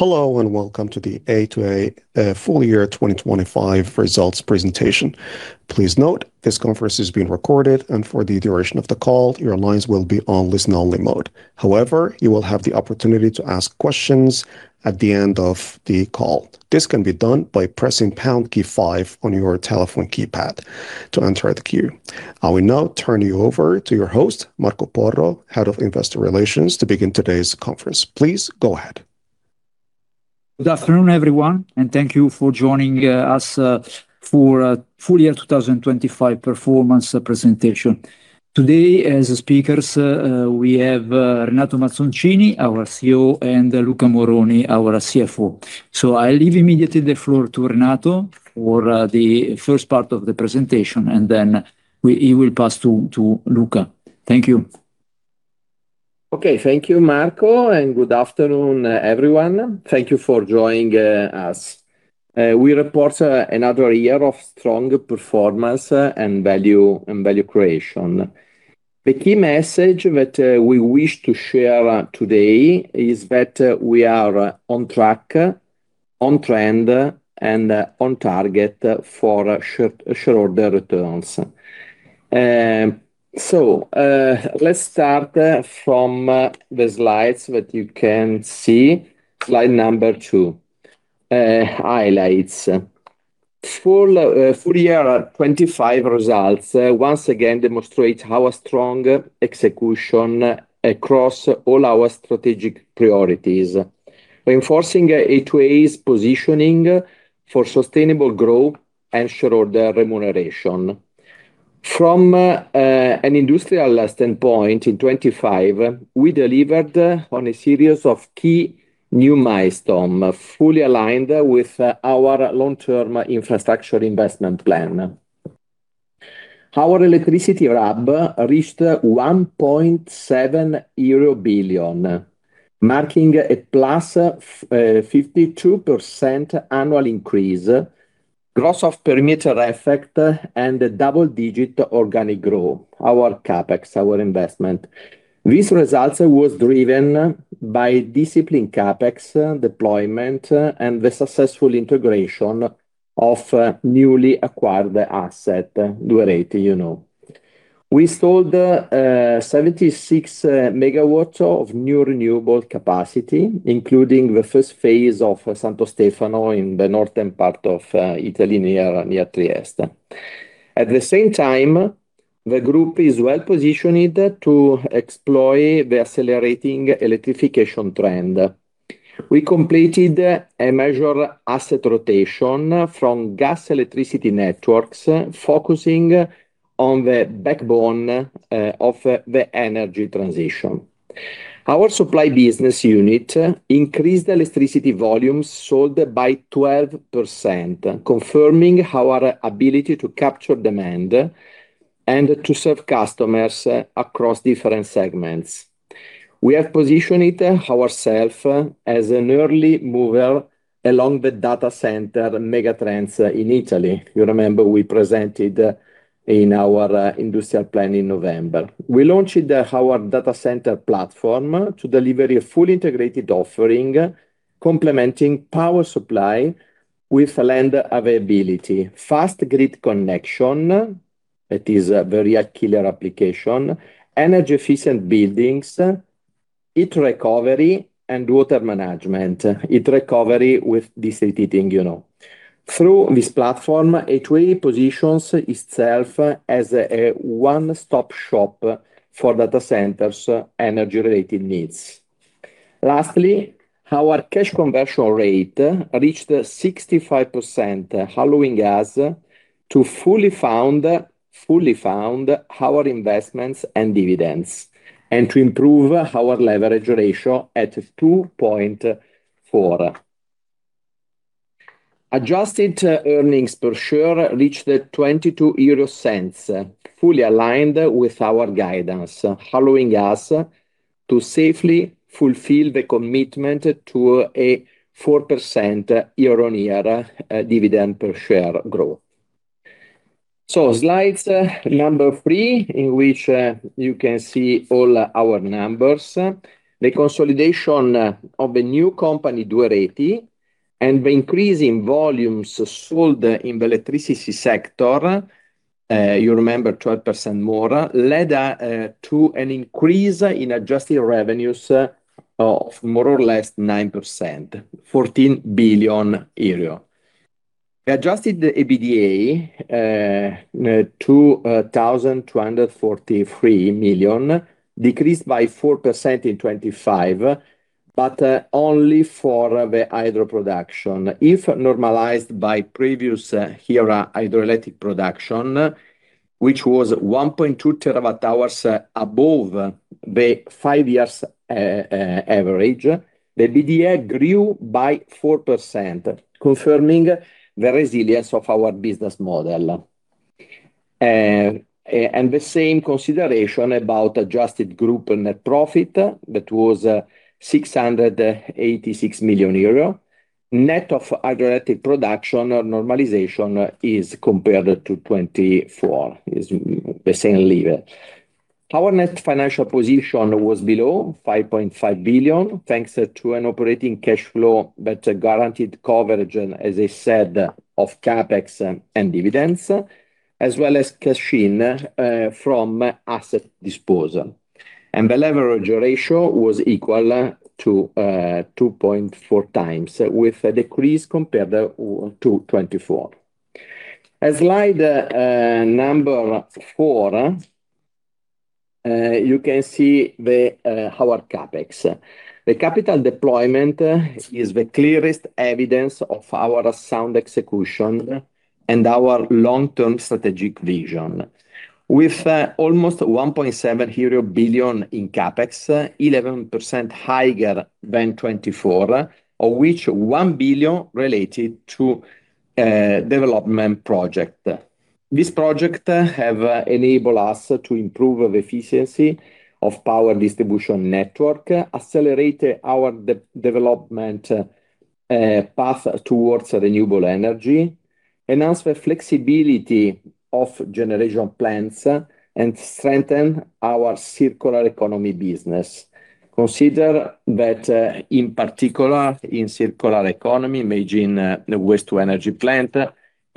Hello, welcome to the A2A full year 2025 results presentation. Please note, this conference is being recorded, and for the duration of the call, your lines will be on listen only mode. However, you will have the opportunity to ask questions at the end of the call. This can be done by pressing pound key five on your telephone keypad to enter the queue. I will now turn you over to your host, Marco Porro, Head of Investor Relations, to begin today's conference. Please go ahead. Good afternoon, everyone, and thank you for joining us for full year 2025 performance presentation. Today, as speakers, we have Renato Mazzoncini, our CEO, and Luca Moroni, our CFO. I leave immediately the floor to Renato for the first part of the presentation, and then he will pass to Luca. Thank you. Okay. Thank you, Marco, and good afternoon, everyone. Thank you for joining us. We report another year of strong performance and value creation. The key message that we wish to share today is that we are on track, on trend, and on target for shareholder returns. Let's start from the slides that you can see. Slide number two highlights. Full year 2025 results once again demonstrate our strong execution across all our strategic priorities, reinforcing A2A's positioning for sustainable growth and shareholder remuneration. From an industrial standpoint, in 2025, we delivered on a series of key new milestone, fully aligned with our long-term infrastructure investment plan. Our electricity RAB reached 1.7 billion euro, marking a +52% annual increase, gross of perimeter effect and a double-digit organic growth, our CapEx, our investment. These results was driven by disciplined CapEx deployment and the successful integration of newly acquired asset, Duereti, you know. We installed 76 megawatts of new renewable capacity, including the first phase of Santo Stefano in the northern part of Italy, near Trieste. At the same time, the group is well-positioned to exploit the accelerating electrification trend. We completed a major asset rotation from gas and electricity networks focusing on the backbone of the energy transition. Our supply business unit increased electricity volumes sold by 12%, confirming our ability to capture demand and to serve customers across different segments. We have positioned ourselves as an early mover along the data center megatrends in Italy. You remember we presented in our industrial plan in November. We launched our data center platform to deliver a fully integrated offering complementing power supply with land availability, fast grid connection, that is a very killer application, energy efficient buildings, heat recovery and water management. Heat recovery with district heating, you know. Through this platform, A2A positions itself as a one-stop shop for data centers energy related needs. Lastly, our cash conversion rate reached 65%, allowing us to fully fund our investments and dividends, and to improve our leverage ratio at 2.4. Adjusted earnings per share reached 0.22, fully aligned with our guidance, allowing us to safely fulfill the commitment to a 4% year-on-year dividend per share growth. Slide number 3, in which you can see all our numbers. The consolidation of the new company, Duereti, and the increase in volumes sold in the electricity sector, you remember 12% more, led to an increase in adjusted revenues of more or less 9%, 14 billion euro. The adjusted EBITDA, 2,243 million, decreased by 4% in 2025, but only for the hydro production. If normalized by previous year hydroelectric production, which was 1.2 terawatt-hours above the five years average, the EBITDA grew by 4%, confirming the resilience of our business model. The same consideration about adjusted group net profit that was 686 million euro. Net of hydroelectric production normalization compared to 2024 is the same level. Our net financial position was below 5.5 billion, thanks to an operating cash flow that guaranteed coverage and as I said, of CapEx and dividends, as well as cash in from asset disposal. The leverage ratio was equal to 2.4 times with a decrease compared to 2024. As slide number four, you can see our CapEx. The capital deployment is the clearest evidence of our sound execution and our long-term strategic vision. With almost 1.7 billion euro in CapEx, 11% higher than 2024, of which 1 billion related to development project. This project have enabled us to improve the efficiency of power distribution network, accelerate our decarbonization path towards renewable energy, enhance the flexibility of generation plans, and strengthen our circular economy business. Consider that in particular in circular economy, imagine the waste-to-energy plant, the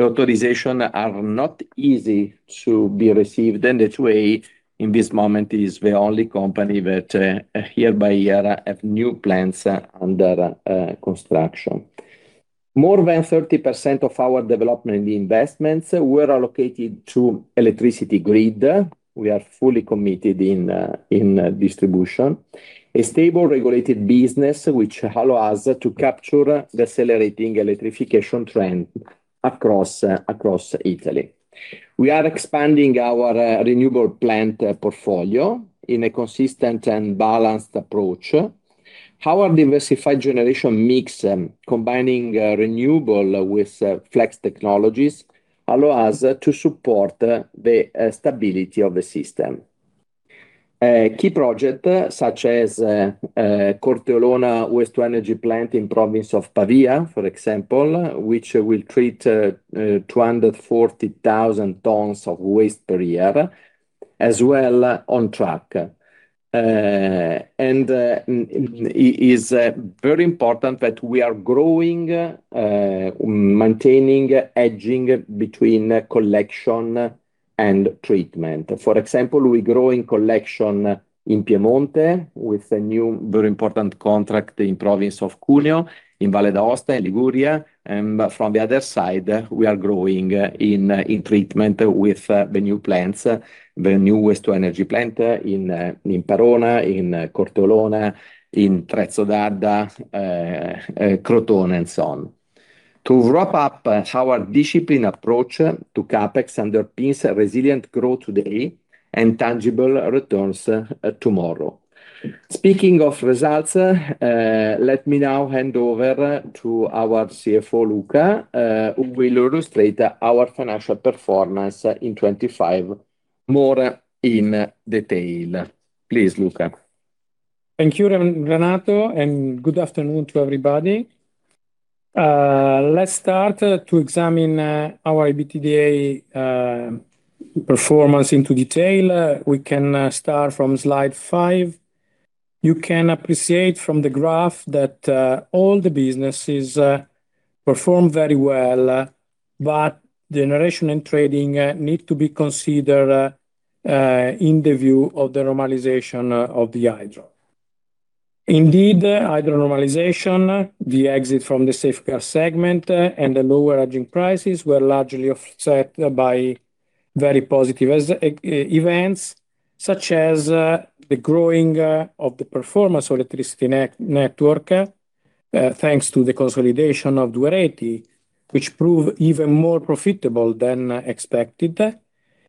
authorization are not easy to be received. That way, in this moment is the only company that year by year have new plants under construction. More than 30% of our development in the investments were allocated to electricity grid. We are fully committed in distribution. A stable regulated business which allow us to capture the accelerating electrification trend across Italy. We are expanding our renewable plant portfolio in a consistent and balanced approach. Our diversified generation mix, combining renewable with flex technologies, allow us to support the stability of the system. Key project such as Corteolona Waste-to-Energy plant in province of Pavia, for example, which will treat 240,000 tons of waste per year as well on track. Is very important that we are growing, maintaining, hedging between collection and treatment. For example, we grow in collection in Piemonte with a new very important contract in province of Cuneo, in Valle d'Aosta, Liguria. From the other side, we are growing in treatment with the new plants, the new waste-to-energy plant in Verona, in Corteolona, in Trezzo d'Adda, Crotone and so on. To wrap up our disciplined approach to CapEx underpins a resilient growth today and tangible returns, tomorrow. Speaking of results, let me now hand over to our CFO, Luca, who will illustrate our financial performance in 2025 more in detail. Please, Luca. Thank you, Renato, and good afternoon to everybody. Let's start to examine our EBITDA performance in detail. We can start from slide 5. You can appreciate from the graph that all the businesses perform very well, but the generation and trading need to be considered in the view of the normalization of the Hydro. Indeed, Hydro normalization, the exit from the Safeguard segment, and the lower hedging prices were largely offset by very positive events, such as the growing of the performance of electricity network, thanks to the consolidation of Duereti, which proved even more profitable than expected.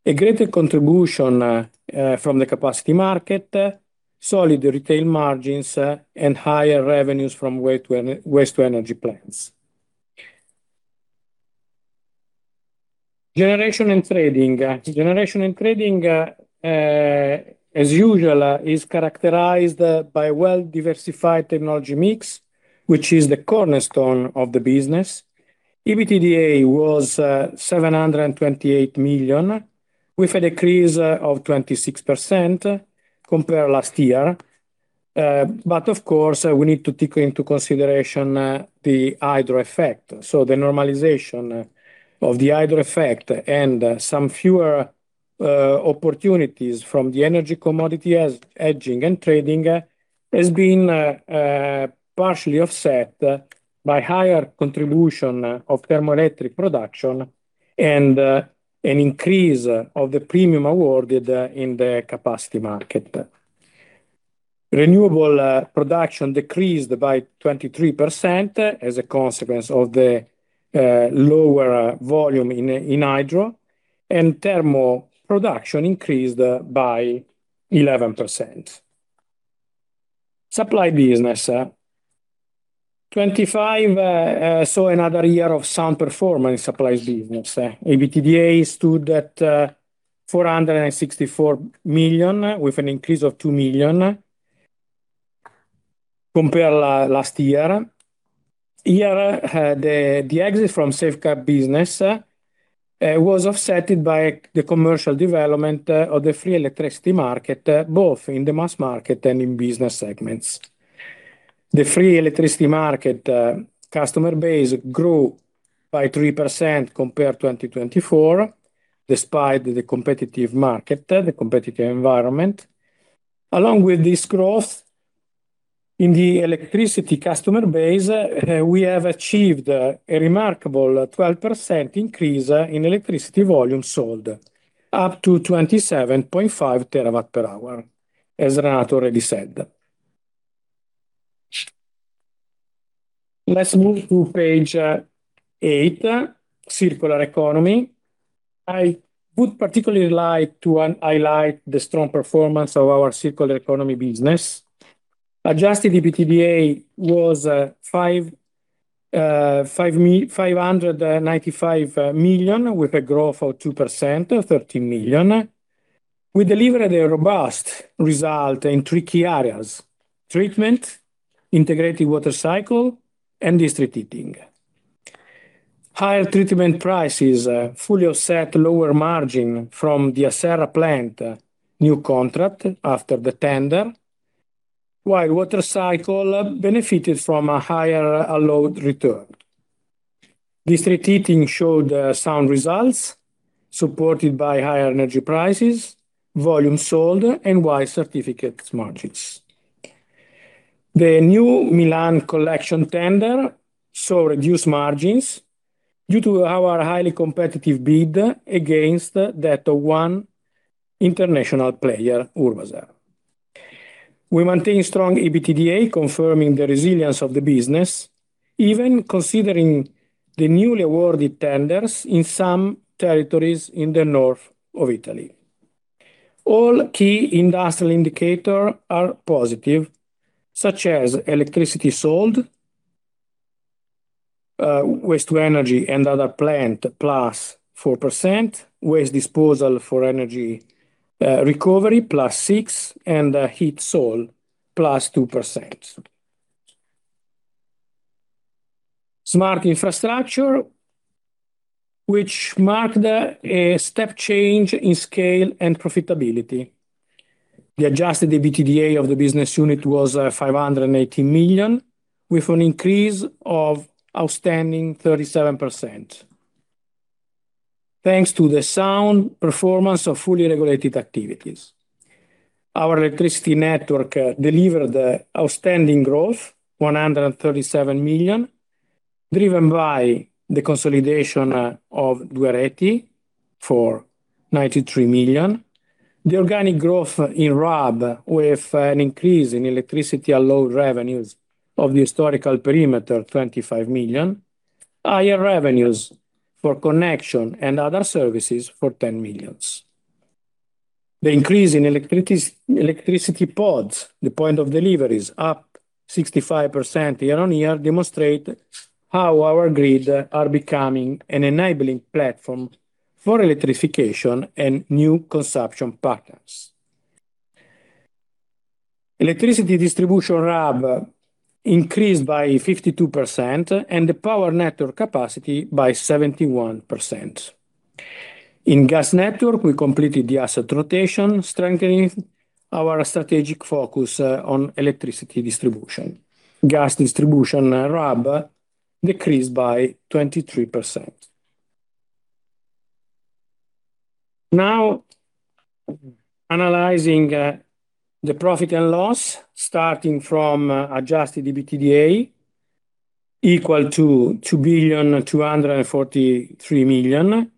A greater contribution from the capacity market, solid retail margins, and higher revenues from waste-to-energy plants. Generation and trading. Generation and trading, as usual, is characterized by well-diversified technology mix, which is the cornerstone of the business. EBITDA was 728 million, with a decrease of 26% compared last year. Of course, we need to take into consideration the Hydro effect. The normalization of the Hydro effect and some fewer opportunities from the energy commodity as hedging and trading has been partially offset by higher contribution of thermoelectric production and an increase of the premium awarded in the capacity market. Renewable production decreased by 23% as a consequence of the lower volume in hydro, and thermal production increased by 11%. Supply business. 2025 saw another year of sound performance supply business. EBITDA stood at 464 million, with an increase of 2 million compared last year. Here, the exit from Safeguard business was offset by the commercial development of the free electricity market, both in the mass market and in business segments. The free electricity market customer base grew by 3% compared to 2024, despite the competitive market, the competitive environment. Along with this growth, in the electricity customer base, we have achieved a remarkable 12% increase in electricity volume sold, up to 27.5 terawatt-hours, as Renato already said. Let's move to page eight, Circular Economy. I would particularly like to highlight the strong performance of our circular economy business. Adjusted EBITDA was 595 million, with a growth of 2%, 13 million. We delivered a robust result in three key areas, treatment, integrated water cycle, and district heating. Higher treatment prices fully offset lower margin from the Acerra plant's new contract after the tender, while water cycle benefited from a higher allowed return. District heating showed sound results supported by higher energy prices, volume sold, and white certificates margins. The new Milan collection tender saw reduced margins due to our highly competitive bid against that one international player, Urbaser. We maintain strong EBITDA, confirming the resilience of the business, even considering the newly awarded tenders in some territories in the north of Italy. All key industrial indicators are positive, such as electricity sold, waste-to-energy and other plant, +4%, waste disposal for energy recovery, +6%, and heat sold, +2%. Smart Infrastructure, which marked a step change in scale and profitability. The adjusted EBITDA of the business unit was 580 million, with an increase of outstanding 37%. Thanks to the sound performance of fully regulated activities. Our electricity network delivered outstanding growth, 137 million, driven by the consolidation of Duereti for 93 million. The organic growth in RAB with an increase in electricity allowed revenues of the historical perimeter, 25 million. Higher revenues for connection and other services for 10 million. The increase in electricity PODs, the point of deliveries, up 65% year-on-year demonstrate how our grid are becoming an enabling platform for electrification and new consumption patterns. Electricity distribution RAB increased by 52% and the power network capacity by 71%. In gas network, we completed the asset rotation, strengthening our strategic focus on electricity distribution. Gas distribution RAB decreased by 23%. Now, analyzing the profit and loss starting from adjusted EBITDA equal to 2,243 million.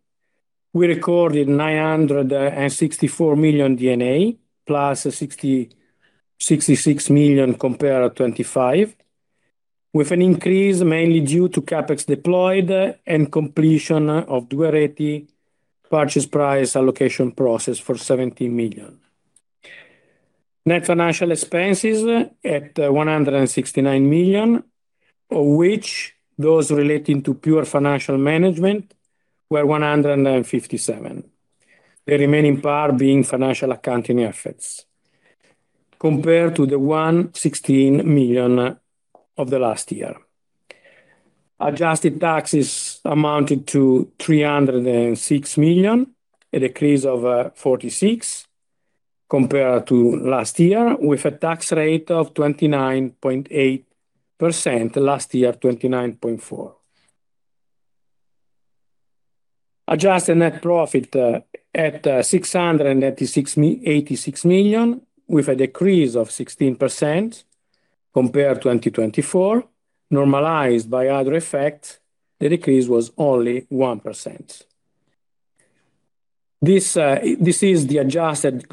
We recorded 964 million D&A, plus 66 million compared to 25, with an increase mainly due to CapEx deployed and completion of Duereti purchase price allocation process for 17 million. Net financial expenses at 169 million, of which those relating to pure financial management were 157 million. The remaining part being financial accounting efforts compared to the 116 million of the last year. Adjusted taxes amounted to 306 million, a decrease of 46 compared to last year, with a tax rate of 29.8%. Last year, 29.4%. Adjusted net profit at 686 million, with a decrease of 16% compared to 2024. Normalized by other effects, the decrease was only 1%. This is the adjusted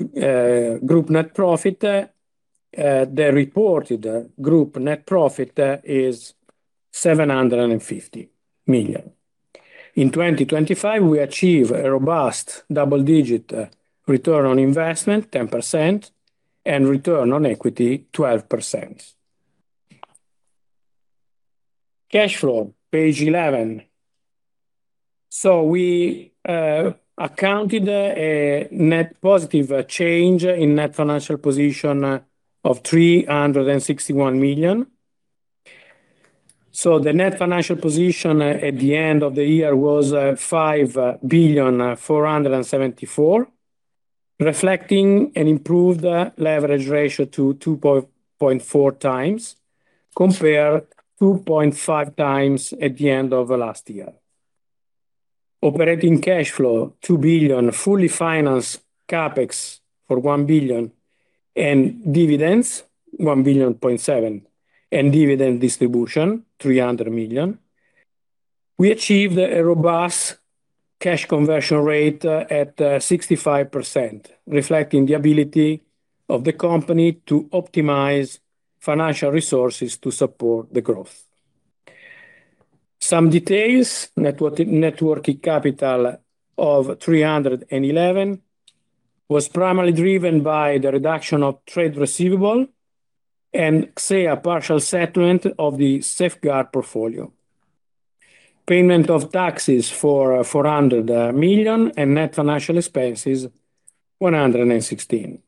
group net profit. The reported group net profit is 750 million. In 2025, we achieve a robust double-digit return on investment, 10%, and return on equity, 12%. Cash flow, page eleven. We accounted a net positive change in net financial position of 361 million. The net financial position at the end of the year was 5.474 billion, reflecting an improved leverage ratio to 2.4x compared to 0.5x at the end of last year. Operating cash flow, 2 billion. Fully financed CapEx for 1 billion. Dividends, 1.7 billion. Dividend distribution, 300 million. We achieved a robust cash conversion rate at 65%, reflecting the ability of the company to optimize financial resources to support the growth. Some details. Network capital of 311 million was primarily driven by the reduction of trade receivable and, say, a partial settlement of the safeguard portfolio. Payment of taxes for 400 million and net financial expenses, 116 million.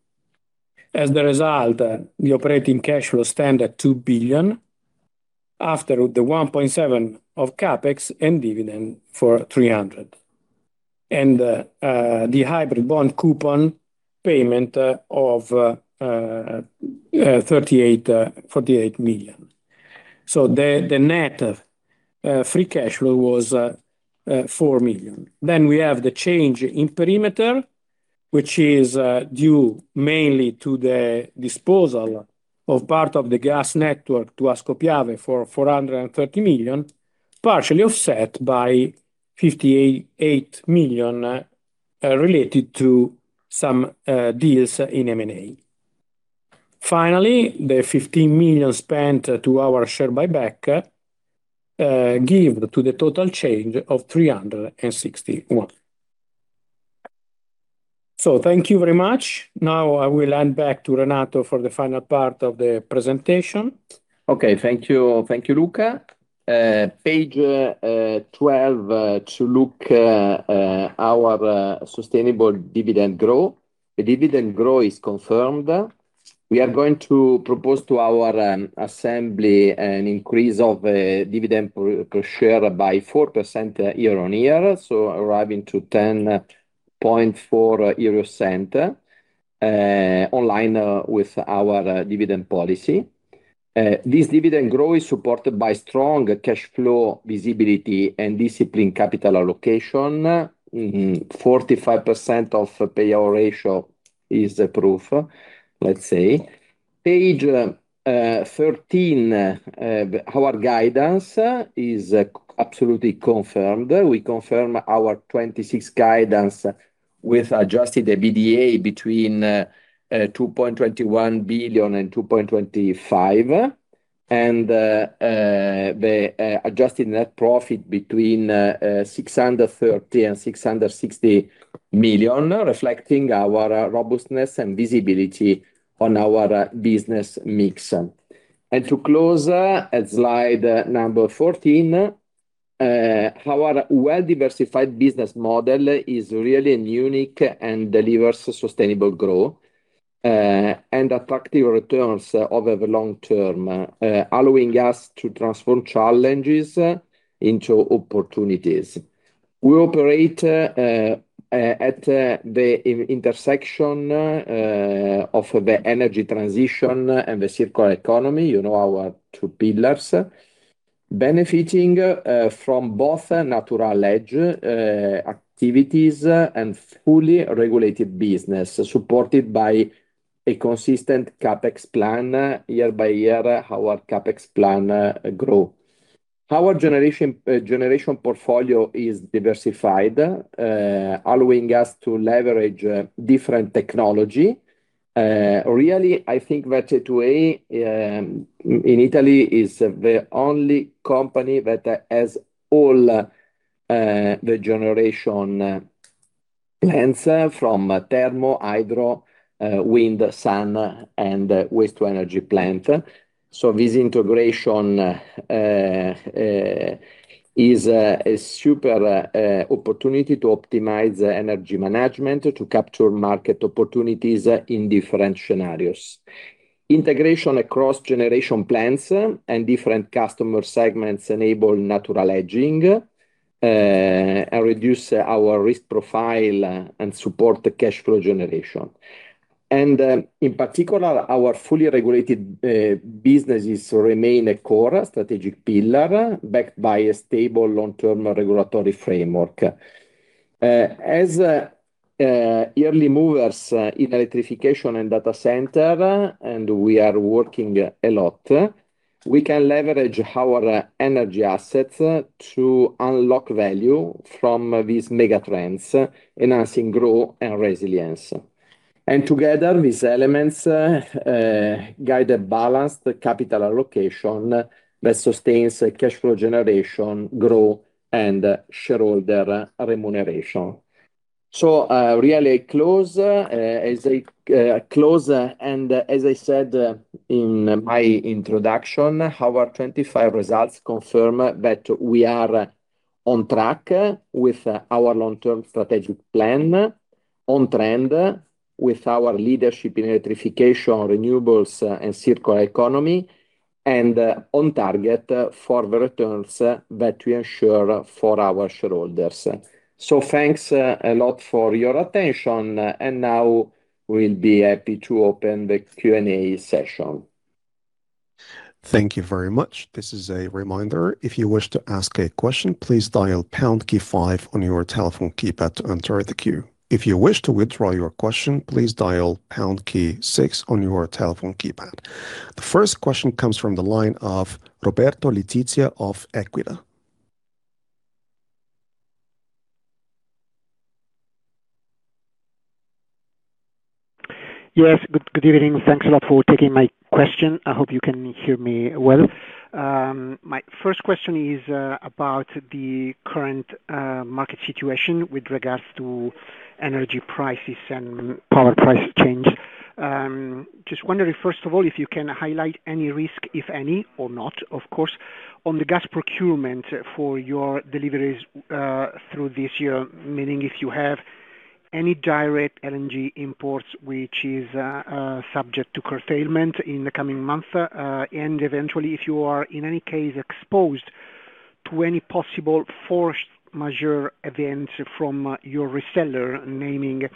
The result, the operating cash flow stands at 2 billion after the 1.7 of CapEx and dividend for 300 million. The hybrid bond coupon payment of forty-eight million. The net free cash flow was four million. We have the change in perimeter, which is due mainly to the disposal of part of the gas network to Ascopiave for 430 million, partially offset by 58 million related to some deals in M&A. Finally, the fifteen million spent to our share buyback give to the total change of 361 million. Thank you very much. Now I will hand back to Renato for the final part of the presentation. Okay. Thank you. Thank you, Luca. Page 12 to look at our sustainable dividend growth. The dividend growth is confirmed. We are going to propose to our assembly an increase of a dividend per share by 4% year on year, so arriving to 0.104 in line with our dividend policy. This dividend growth is supported by strong cash flow visibility and disciplined capital allocation. 45% payout ratio is approved, let's say. Page 13, our guidance is absolutely confirmed. We confirm our 2026 guidance with adjusted EBITDA between 2.21 billion and 2.25 billion. The adjusted net profit between 630 million and 660 million, reflecting our robustness and visibility on our business mix. To close, at slide number 14, our well-diversified business model is really unique and delivers sustainable growth, and attractive returns over the long term, allowing us to transform challenges into opportunities. We operate at the intersection of the energy transition and the circular economy, you know, our two pillars, benefiting from both natural hedge activities and fully regulated business, supported by a consistent CapEx plan. Year by year, our CapEx plan grow. Our generation portfolio is diversified, allowing us to leverage different technology. Really, I think that today, in Italy is the only company that has all the generation plants from thermal, hydro, wind, sun and waste-to-energy plant. This integration is a super opportunity to optimize energy management to capture market opportunities in different scenarios. Integration across generation plants and different customer segments enable natural hedging, and reduce our risk profile and support the cash flow generation. In particular, our fully regulated businesses remain a core strategic pillar backed by a stable long-term regulatory framework. Early movers in electrification and data center, and we are working a lot, we can leverage our energy assets to unlock value from these mega trends, enhancing growth and resilience. Together, these elements guide a balanced capital allocation that sustains cash flow generation growth and shareholder remuneration. Really close, as I close, and as I said in my introduction, our 25 results confirm that we are on track with our long-term strategic plan, on trend with our leadership in electrification, renewables and circular economy, and on target for the returns that we ensure for our shareholders. Thanks a lot for your attention, and now we'll be happy to open the Q&A session. Thank you very much. This is a reminder. If you wish to ask a question, please dial pound key five on your telephone keypad to enter the queue. If you wish to withdraw your question, please dial pound key six on your telephone keypad. The first question comes from the line of Roberto Letizia of Equita. Yes. Good evening. Thanks a lot for taking my question. I hope you can hear me well. My first question is about the current market situation with regards to energy prices and power price change. Just wondering, first of all, if you can highlight any risk, if any, or not, of course, on the gas procurement for your deliveries through this year, meaning if you have any direct LNG imports, which is subject to curtailment in the coming months. Eventually, if you are in any case exposed to any possible force majeure events from your reseller, naming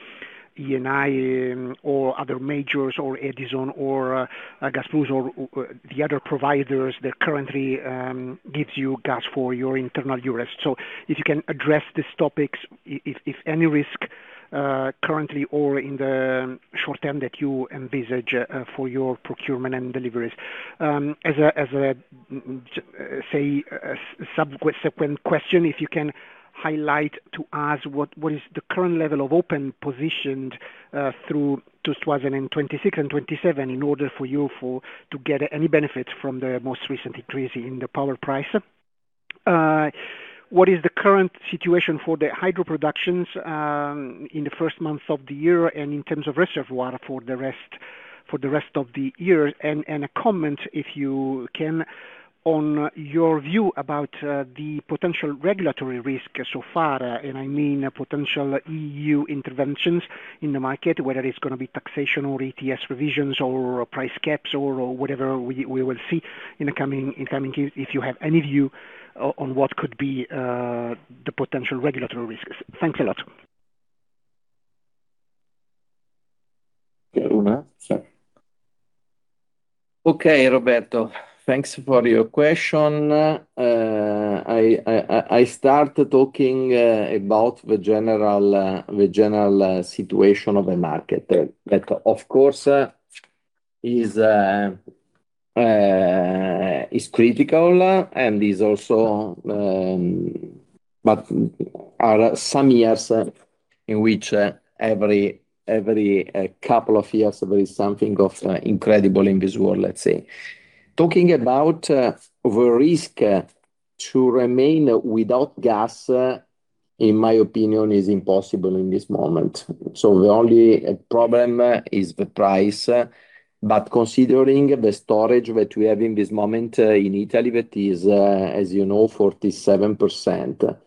Eni or other majors or Edison or Gas Plus or the other providers that currently gives you gas for your internal use. If you can address these topics if any risk currently or in the short term that you envisage for your procurement and deliveries. As a subsequent question, if you can highlight to us what is the current level of open positions through to 2026 and 2027 in order for you to get any benefit from the most recent increase in the power price. What is the current situation for the hydro productions in the first months of the year and in terms of reservoir for the rest of the year? A comment, if you can, on your view about the potential regulatory risk so far, and I mean potential EU interventions in the market, whether it's gonna be taxation or ETS revisions or price caps or whatever we will see in the coming years. If you have any view on what could be the potential regulatory risks. Thanks a lot. Okay. Roberto, thanks for your question. I start talking about the general situation of the market that of course is critical and is also, but in some years in which every couple of years there is something incredible in this world, let's say. Talking about the risk to remain without gas, in my opinion, is impossible in this moment. So the only problem is the price. But considering the storage that we have in this moment in Italy, that is, as you know, 47%.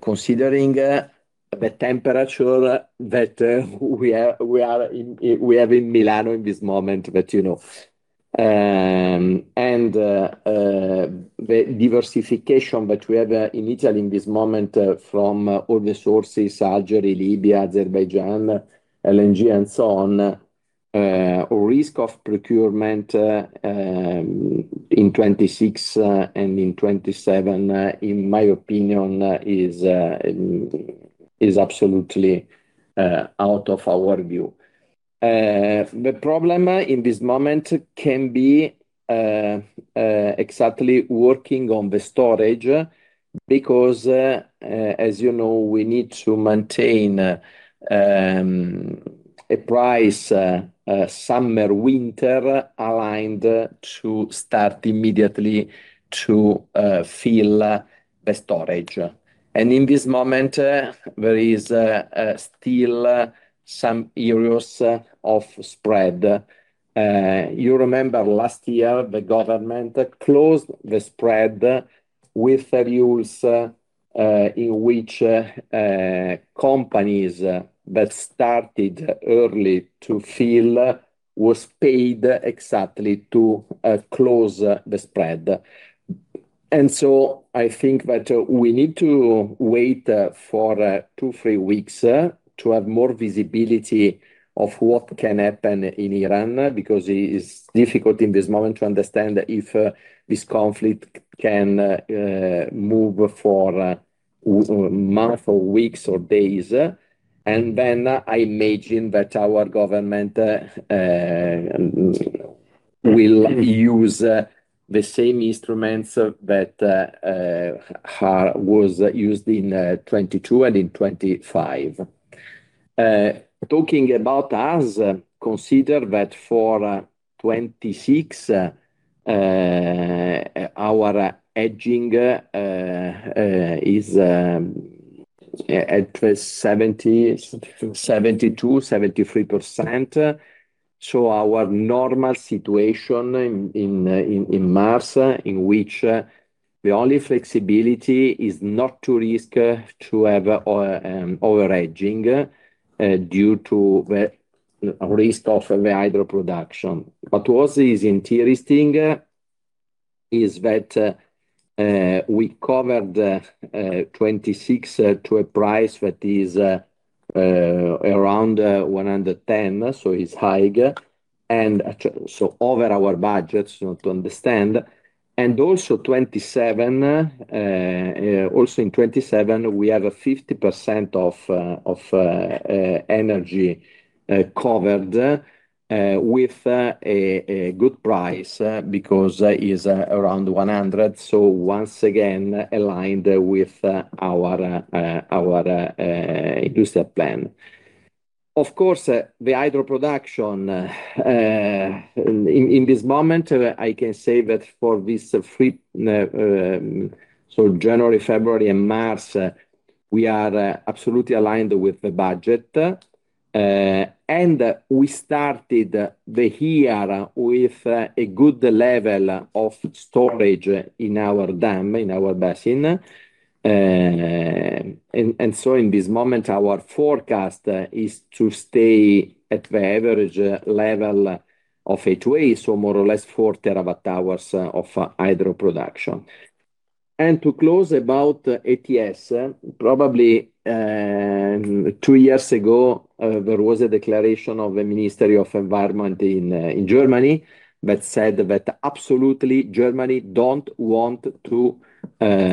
Considering the temperature that we have in Milano in this moment, you know. The diversification that we have in Italy in this moment from all the sources, Algeria, Libya, Azerbaijan, LNG and so on, risk of procurement in 2026 and in 2027, in my opinion, is absolutely out of our view. The problem in this moment can be exactly working on the storage because, as you know, we need to maintain a price summer winter aligned to start immediately to fill the storage. In this moment, there is still some areas of spread. You remember last year the government closed the spread with the rules in which companies that started early to fill was paid exactly to close the spread. I think that we need to wait for 2-3 weeks to have more visibility of what can happen in Iran, because it is difficult in this moment to understand if this conflict can move for month or weeks or days. Then I imagine that our government will use the same instruments that was used in 2022 and in 2025. Talking about us, consider that for 2026 our hedging is at least 70, 72, 73%. Our normal situation in March, in which the only flexibility is not to risk to have over-hedging due to the risk of the hydro production. But what is interesting is that we covered 2026 to a price that is around 110, so it's high. Over our budgets to understand. In 2027 we have 50% of energy covered with a good price because it's around 100. Once again, aligned with our industrial plan. Of course, the hydro production in this moment, I can say that for January, February and March, we are absolutely aligned with the budget. We started the year with a good level of storage in our dam, in our basin. In this moment, our forecast is to stay at the average level of A2A, so more or less 4 TWh of hydro production. To close about ETS, probably two years ago there was a declaration of a Ministry of Environment in Germany that said that absolutely Germany don't want to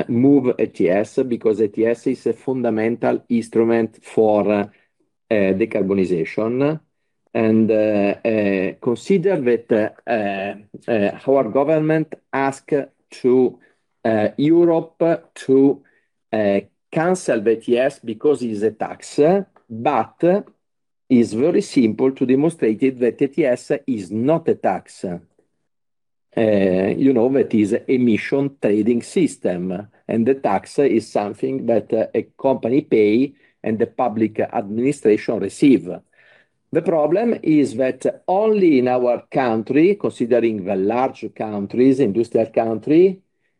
move ETS because ETS is a fundamental instrument for decarbonization. Consider that our government ask to Europe to cancel the ETS because it's a tax. But it's very simple to demonstrate that ETS is not a tax. You know, it is emissions trading system, and the tax is something that a company pay and the public administration receive. The problem is that only in our country, considering the large countries, industrial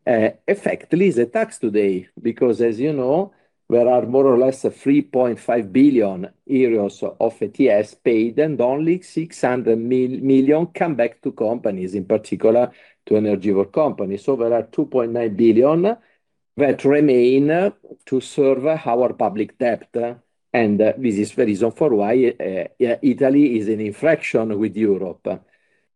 country, in effect is a tax today. Because as you know, there are more or less 3.5 billion euros of ETS paid, and only 600 million come back to companies, in particular to energy-intensive companies. There are 2.9 billion that remain to serve our public debt. This is the reason for why, Italy is in infraction with Europe.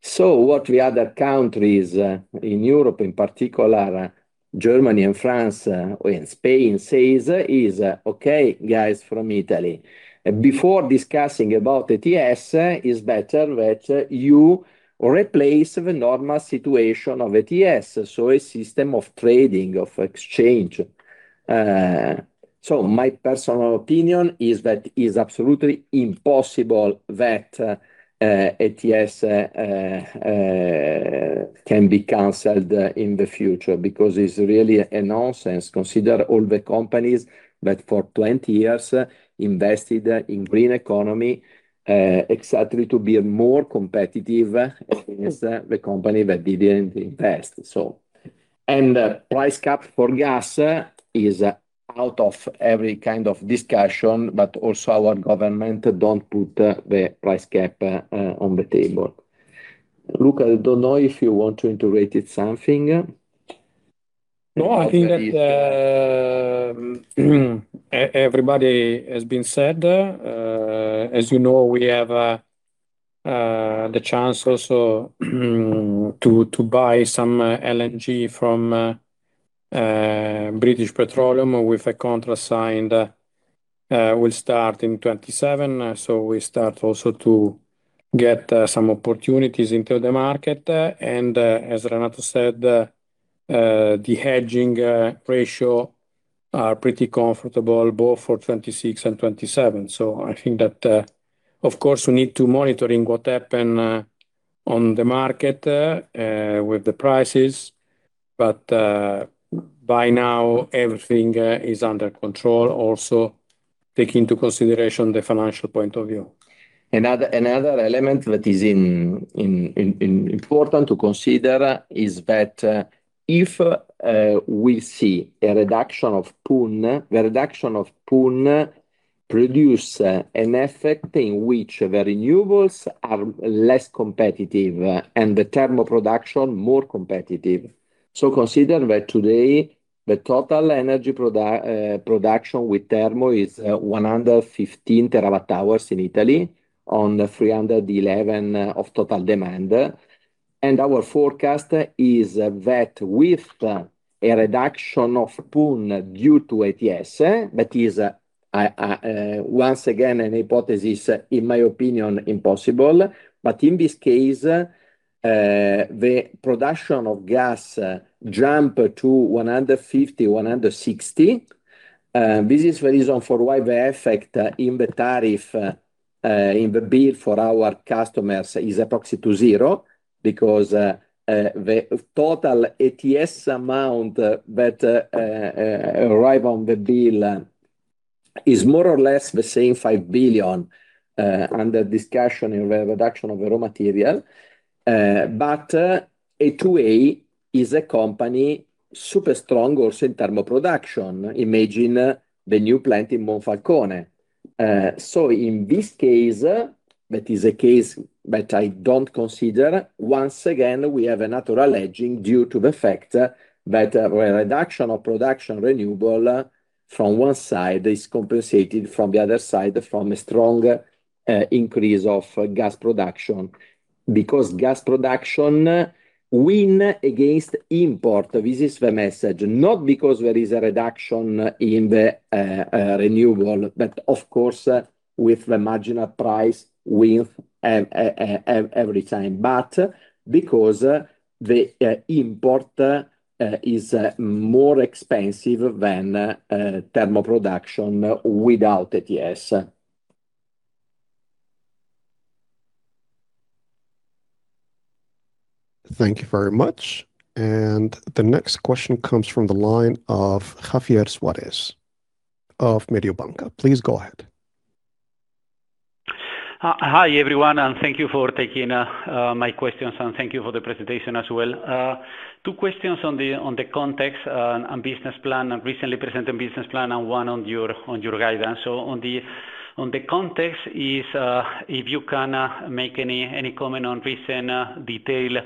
What the other countries, in Europe, in particular Germany and France, and Spain says is, "Okay, guys from Italy, before discussing about ETS, it's better that you replace the normal situation of ETS, so a system of trading, of exchange." My personal opinion is that it's absolutely impossible that, ETS, can be canceled in the future because it's really a nonsense. Consider all the companies that for 20 years invested in green economy, exactly to be more competitive against the company that didn't invest. Price cap for gas is out of every kind of discussion, but also our government don't put the price cap, on the table. Luca, I don't know if you want to integrate something. No, I think that everything has been said. As you know, we have the chance also to buy some LNG from British Petroleum with a contract signed, will start in 2027. We start also to get some opportunities into the market. As Renato said, the hedging ratio are pretty comfortable both for 2026 and 2027. I think that, of course, we need to monitor what happens on the market with the prices. By now everything is under control. Also take into consideration the financial point of view. Another element that is important to consider is that if we see a reduction of PUN, the reduction of PUN produce an effect in which the renewables are less competitive and the thermal production more competitive. Consider that today the total energy production with thermal is 115 terawatt-hours in Italy of 311 of total demand. Our forecast is that with a reduction of PUN due to ETS, that is once again an hypothesis, in my opinion, impossible. In this case the production of gas jump to 150-160. This is the reason for why the effect in the tariff, in the bill for our customers is approximately to zero because, the total ETS amount that, arrive on the bill, is more or less the same 5 billion, under discussion in the reduction of raw material. A2A is a company super strong also in thermal production. Imagine the new plant in Monfalcone. In this case, that is a case that I don't consider. Once again, we have a natural hedging due to the fact that the reduction of production renewable from one side is compensated from the other side from a strong, increase of gas production. Because gas production win against import. This is the message. Not because there is a reduction in the renewables, but of course, with the marginal price when every time. Because the imports are more expensive than thermal production without ETS. Thank you very much. The next question comes from the line of Javier Suarez of Mediobanca. Please go ahead. Hi, everyone, and thank you for taking my questions, and thank you for the presentation as well. Two questions on the context and business plan, recently presented business plan, and one on your guidance. On the context, if you can make any comment on recent detailed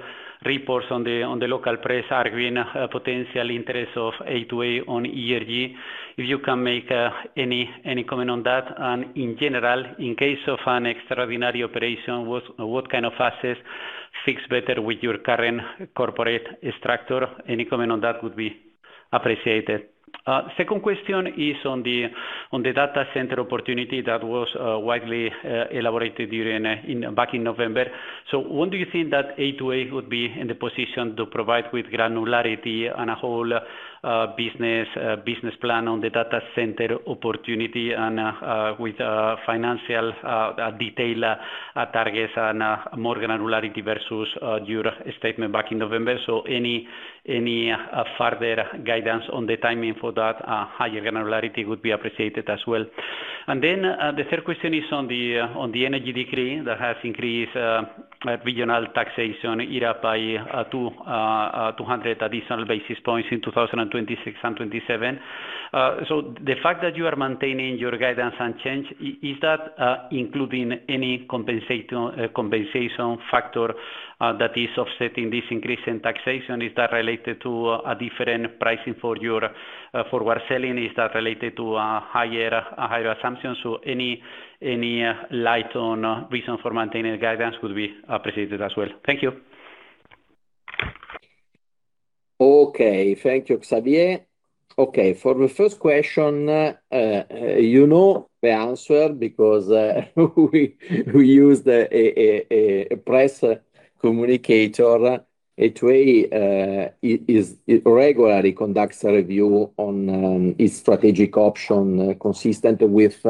reports on the local press arguing a potential interest of A2A on ERG. If you can make any comment on that. In general, in case of an extraordinary operation, what kind of assets fits better with your current corporate structure. Any comment on that would be appreciated. Second question is on the data center opportunity that was widely elaborated during back in November. When do you think that A2A would be in the position to provide with granularity and a whole business plan on the data center opportunity and with financial detail targets and more granularity versus your statement back in November? Any further guidance on the timing for that higher granularity would be appreciated as well. The third question is on the Energy Decree that has increased regional taxation rate up by 200 additional basis points in 2026 and 2027. The fact that you are maintaining your guidance unchanged, is that including any compensation factor that is offsetting this increase in taxation? Is that related to a different pricing for your for wholesale? Is that related to a higher assumptions? Any light on the reason for maintaining guidance would be appreciated as well. Thank you. Okay. Thank you, Javier Suarez. Okay. For the first question, you know the answer because we used a press communiqué. A2A regularly conducts a review on its strategic options consistent with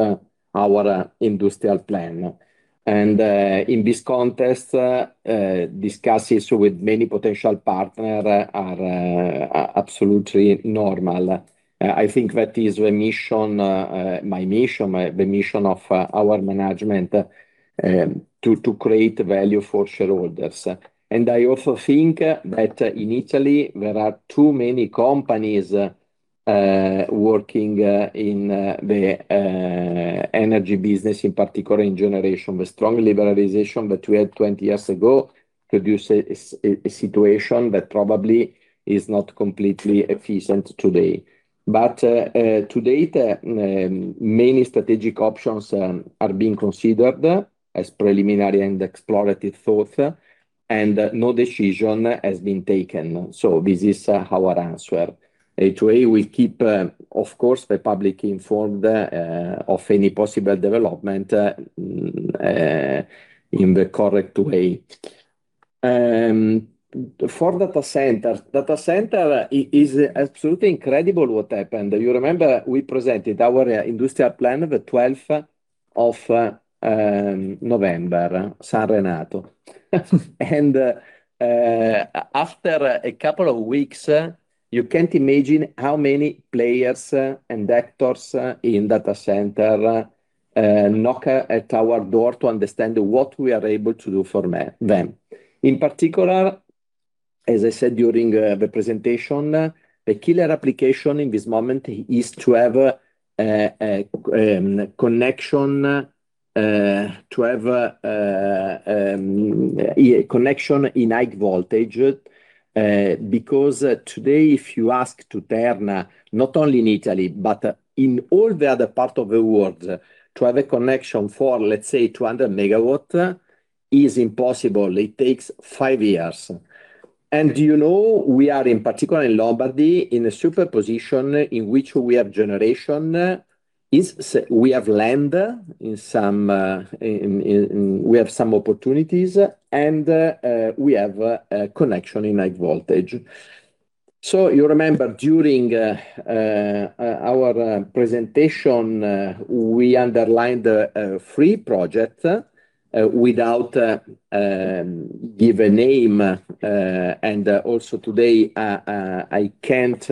our industrial plan. In this context, discussions with many potential partners are absolutely normal. I think that is my mission, the mission of our management to create value for shareholders. I also think that in Italy, there are too many companies working in the energy business, in particular in generation. The strong liberalization that we had 20 years ago produced a situation that probably is not completely efficient today. To date, many strategic options are being considered as preliminary and exploratory thought, and no decision has been taken. This is our answer. A2A will keep, of course, the public informed of any possible development in the correct way. For data centers. Data centers is absolutely incredible what happened. You remember we presented our industrial plan the twelfth of November, San Donato. After a couple of weeks, you can't imagine how many players and actors in data center knock at our door to understand what we are able to do for them. In particular, as I said during the presentation, the killer application in this moment is to have a connection in high voltage. Because today, if you ask Terna, not only in Italy, but in all the other part of the world, to have a connection for, let's say, 200 MW is impossible. It takes 5 years. You know, we are in particular in Lombardy, in a super position in which we have land in some, we have some opportunities and we have a connection in high voltage. You remember during our presentation, we underlined the 3 projects without giving a name. And also today, I can't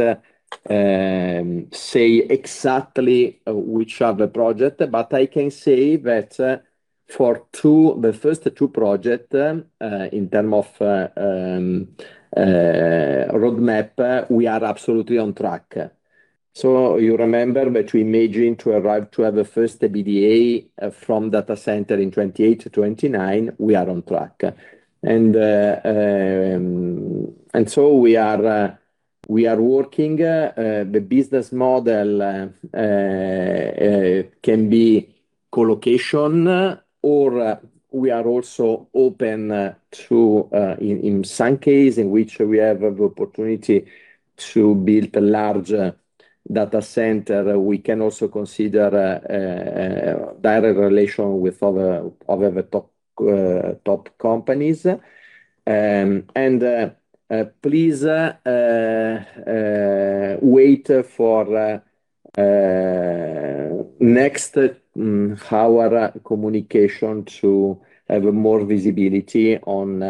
say exactly which are the projects, but I can say that, for the first 2 projects, in terms of roadmap, we are absolutely on track. You remember that we imagine to arrive to have a first EBITDA from data center in 2028-2029. We are on track. We are working. The business model can be co-location, or we are also open to in some case in which we have an opportunity to build a larger data center. We can also consider direct relation with other top companies. Please wait for next our communication to have more visibility on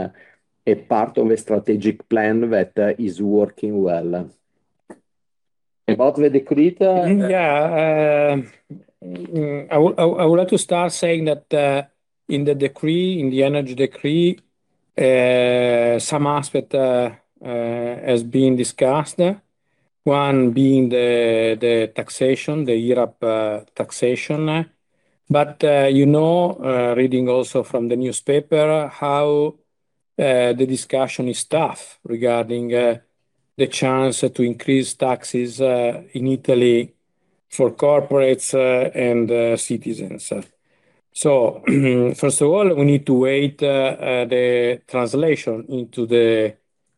a part of a strategic plan that is working well. About the decree. I would like to start saying that in the decree, in the Energy Decree, some aspect has been discussed. One being the taxation, the European taxation. You know, reading also from the newspaper how the discussion is tough regarding the chance to increase taxes in Italy for corporates and citizens. First of all, we need to wait the translation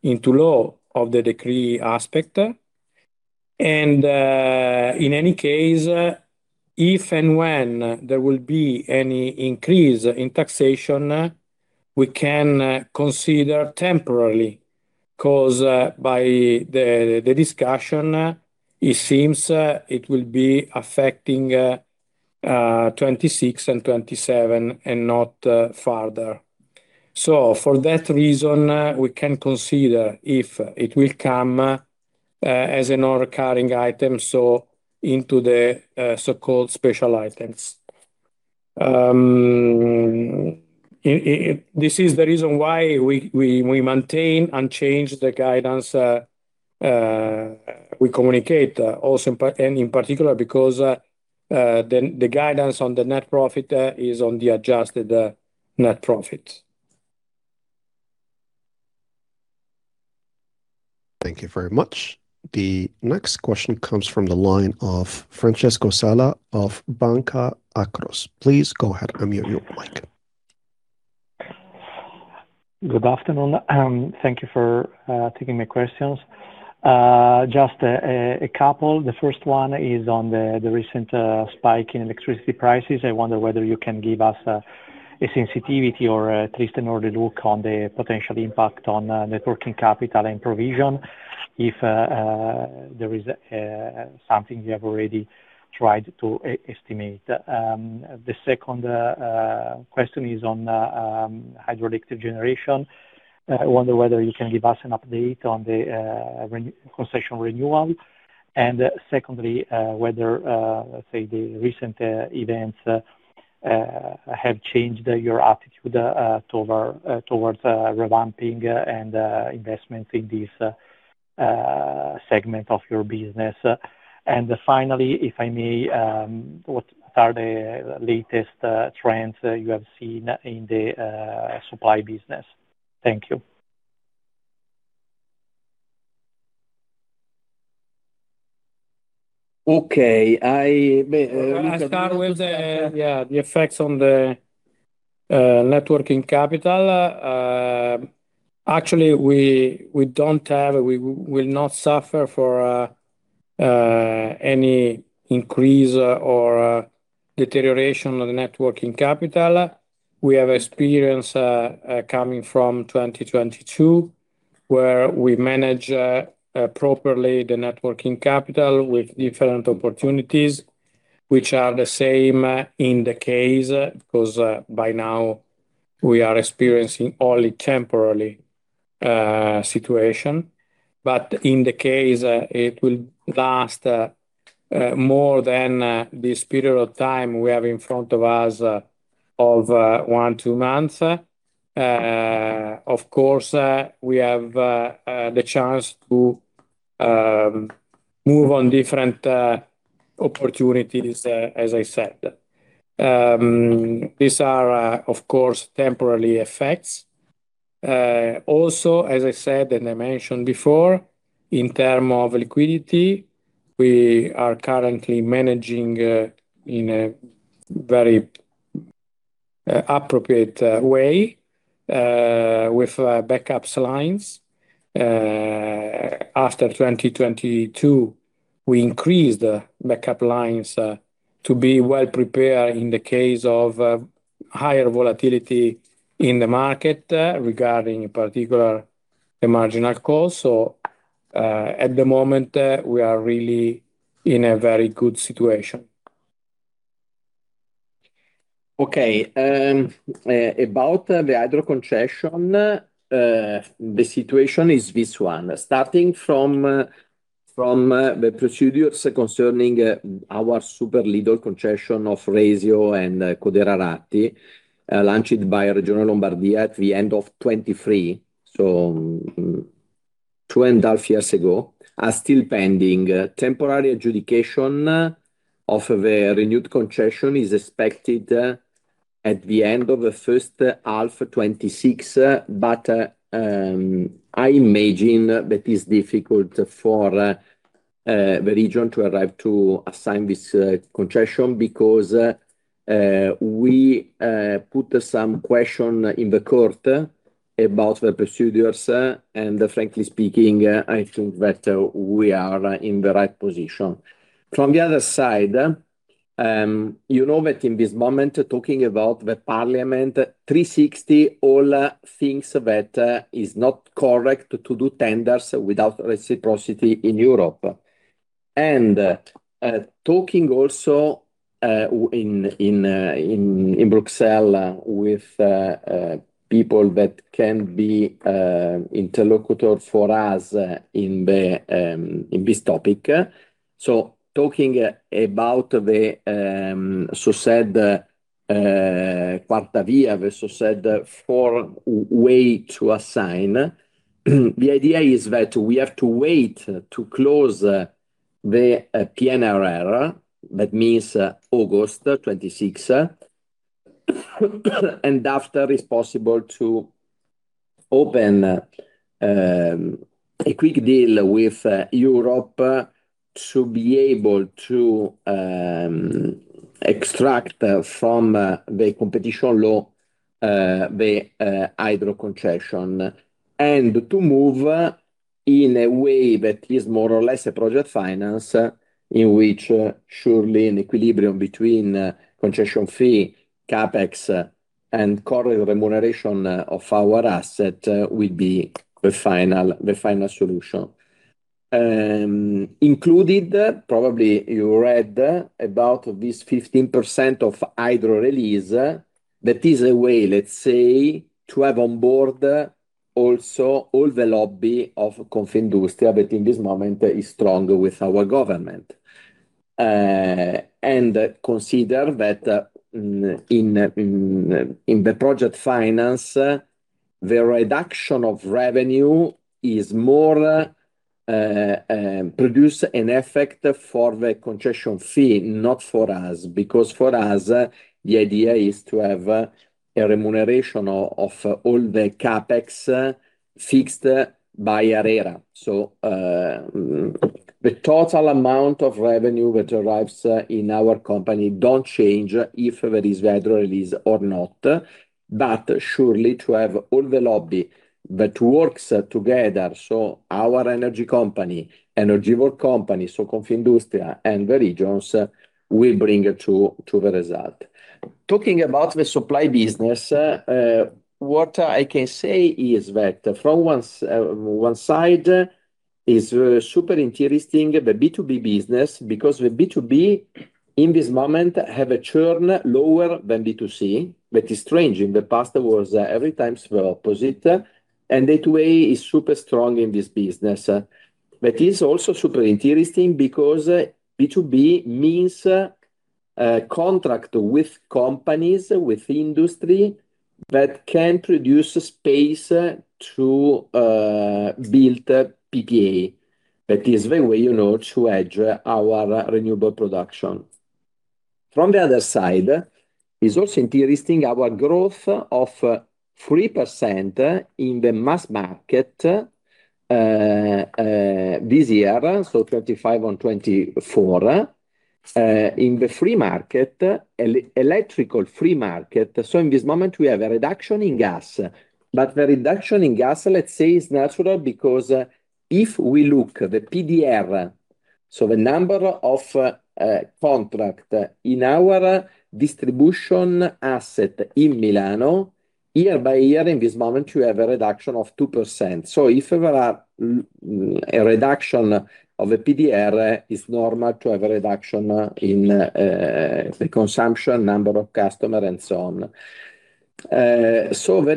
into law of the decree aspect. In any case, if and when there will be any increase in taxation, we can consider temporarily because by the discussion, it seems it will be affecting 2026 and 2027 and not farther. For that reason, we can consider if it will come as a non-recurring item, so into the so-called special items. This is the reason why we maintain unchanged the guidance we communicate, also in part, and in particular because the guidance on the net profit is on the adjusted net profit. Thank you very much. The next question comes from the line of Francesco Sala of Banca Akros. Please go ahead. Unmute your mic. Good afternoon, thank you for taking my questions. Just a couple. The first one is on the recent spike in electricity prices. I wonder whether you can give us a sensitivity or at least an ordered look on the potential impact on net working capital and provision if there is something you have already tried to estimate. The second question is on hydroelectric generation. I wonder whether you can give us an update on the re-concession renewal, and secondly, whether say the recent events have changed your attitude towards revamping and investments in this segment of your business. Finally, if I may, what are the latest trends you have seen in the supply business? Thank you. Okay. I start with the effects on the net working capital. We will not suffer for any increase or deterioration of the net working capital. We have experience coming from 2022, where we manage properly the net working capital with different opportunities, which are the same in the case, 'cause by now we are experiencing only temporary situation. In the case it will last more than this period of time we have in front of us of 1-2 months, of course we have the chance to move on different opportunities, as I said. These are, of course, temporary effects. Also, as I said, and I mentioned before, in terms of liquidity, we are currently managing in a very appropriate way with backup lines. After 2022 We increased the backup lines to be well prepared in the case of higher volatility in the market, regarding in particular the marginal cost. At the moment, we are really in a very good situation. Okay, about the hydro concession, the situation is this one. Starting from the procedures concerning our concessions of Resia and Codera-Valle dei Ratti, launched by Regione Lombardia at the end of 2023, so 2.5 years ago, are still pending. Temporary adjudication of the renewed concession is expected at the end of the first half 2026. I imagine that is difficult for the region to arrive to assign this concession because we put some question in the court about the procedures, and frankly speaking, I think that we are in the right position. From the other side, you know that in this moment talking about the Parliament, the EU all thinks that is not correct to do tenders without reciprocity in Europe. Talking also in Brussels with people that can be interlocutor for us in this topic. Talking about the so-called Quarta Via, the so-called fourth way to assign, the idea is that we have to wait to close the PNRR. That means August twenty-sixth. After it's possible to open a quick deal with Europe to be able to extract from the Competition Law the hydro concession. To move in a way that is more or less a project finance in which surely an equilibrium between concession fee, CapEx, and current remuneration of our asset will be the final solution. Included, probably you read about this 15% of hydro release. That is a way, let's say, to have on board also all the lobby of Confindustria that in this moment is strong with our government. Consider that in the project finance, the reduction of revenue more produces an effect for the concession fee, not for us. Because for us, the idea is to have a remuneration of all the CapEx fixed by ARERA. The total amount of revenue that arrives in our company don't change if there is hydro release or not. Surely to have all the lobby that works together, so our energy company, Energieworld company, so Confindustria and the regions will bring it to the result. Talking about the supply business, what I can say is that from one side is super interesting the B2B business, because the B2B in this moment have a churn lower than B2C. That is strange. In the past that was every time the opposite. That way is super strong in this business. That is also super interesting because B2B means a contract with companies, with industry that can produce space to build PPA. That is the way, you know, to hedge our renewable production. From the other side is also interesting our growth of 3% in the mass market this year, so 2025 on 2024. In the free market, electrical free market, so in this moment we have a reduction in gas. The reduction in gas, let's say, is natural because if we look the PDR, so the number of contract in our distribution asset in Milano, year by year in this moment we have a reduction of 2%. If there is a reduction of the PDR, is normal to have a reduction in the consumption number of customer and so on. There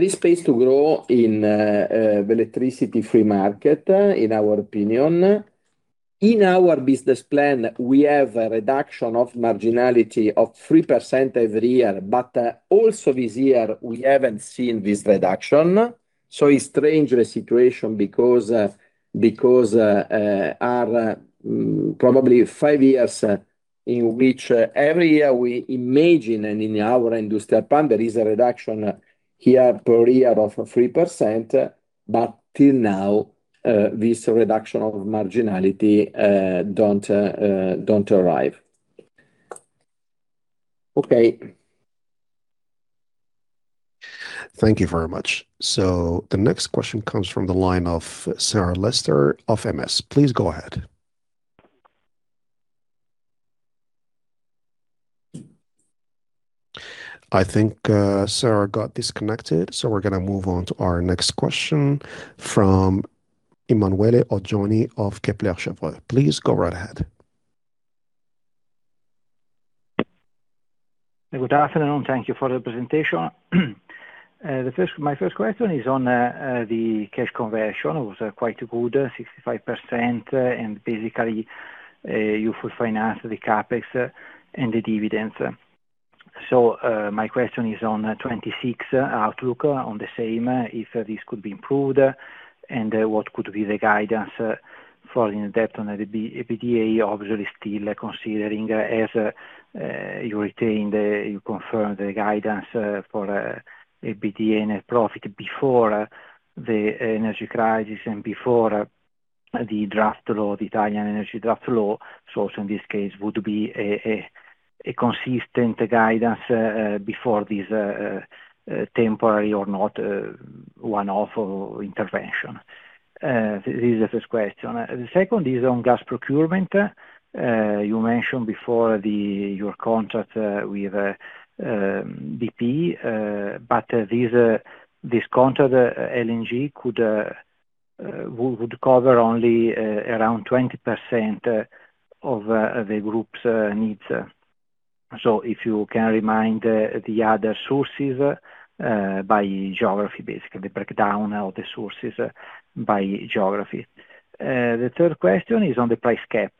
is space to grow in the electricity free market in our opinion. In our business plan, we have a reduction of marginality of 3% every year, but also this year we haven't seen this reduction. It's strange the situation because for probably five years in which every year we imagine and in our industrial plan there is a reduction here per year of 3%, but till now this reduction of marginality don't arrive. Okay. Thank you very much. The next question comes from the line of Sarah Lester of MS. Please go ahead. I think, Sarah got disconnected, so we're gonna move on to our next question from Emanuele Oggioni of Kepler Cheuvreux. Please go right ahead. Good afternoon. Thank you for the presentation. My first question is on the cash conversion. It was quite good, 65%, and basically, you fully financed the CapEx and the dividends. My question is on the 2026 outlook on the same, if this could be improved, and what could be the guidance for net debt to EBITDA obviously still considering you confirm the guidance for EBITDA net profit before the energy crisis and before the Energy Decree, the Italian Energy Decree. Also in this case would be a consistent guidance before this temporary or not one-off intervention. This is the first question. The second is on gas procurement. You mentioned before your contract with BP, but this contract LNG would cover only around 20% of the group's needs. If you can remind the other sources by geography, basically, break down all the sources by geography. The third question is on the price cap.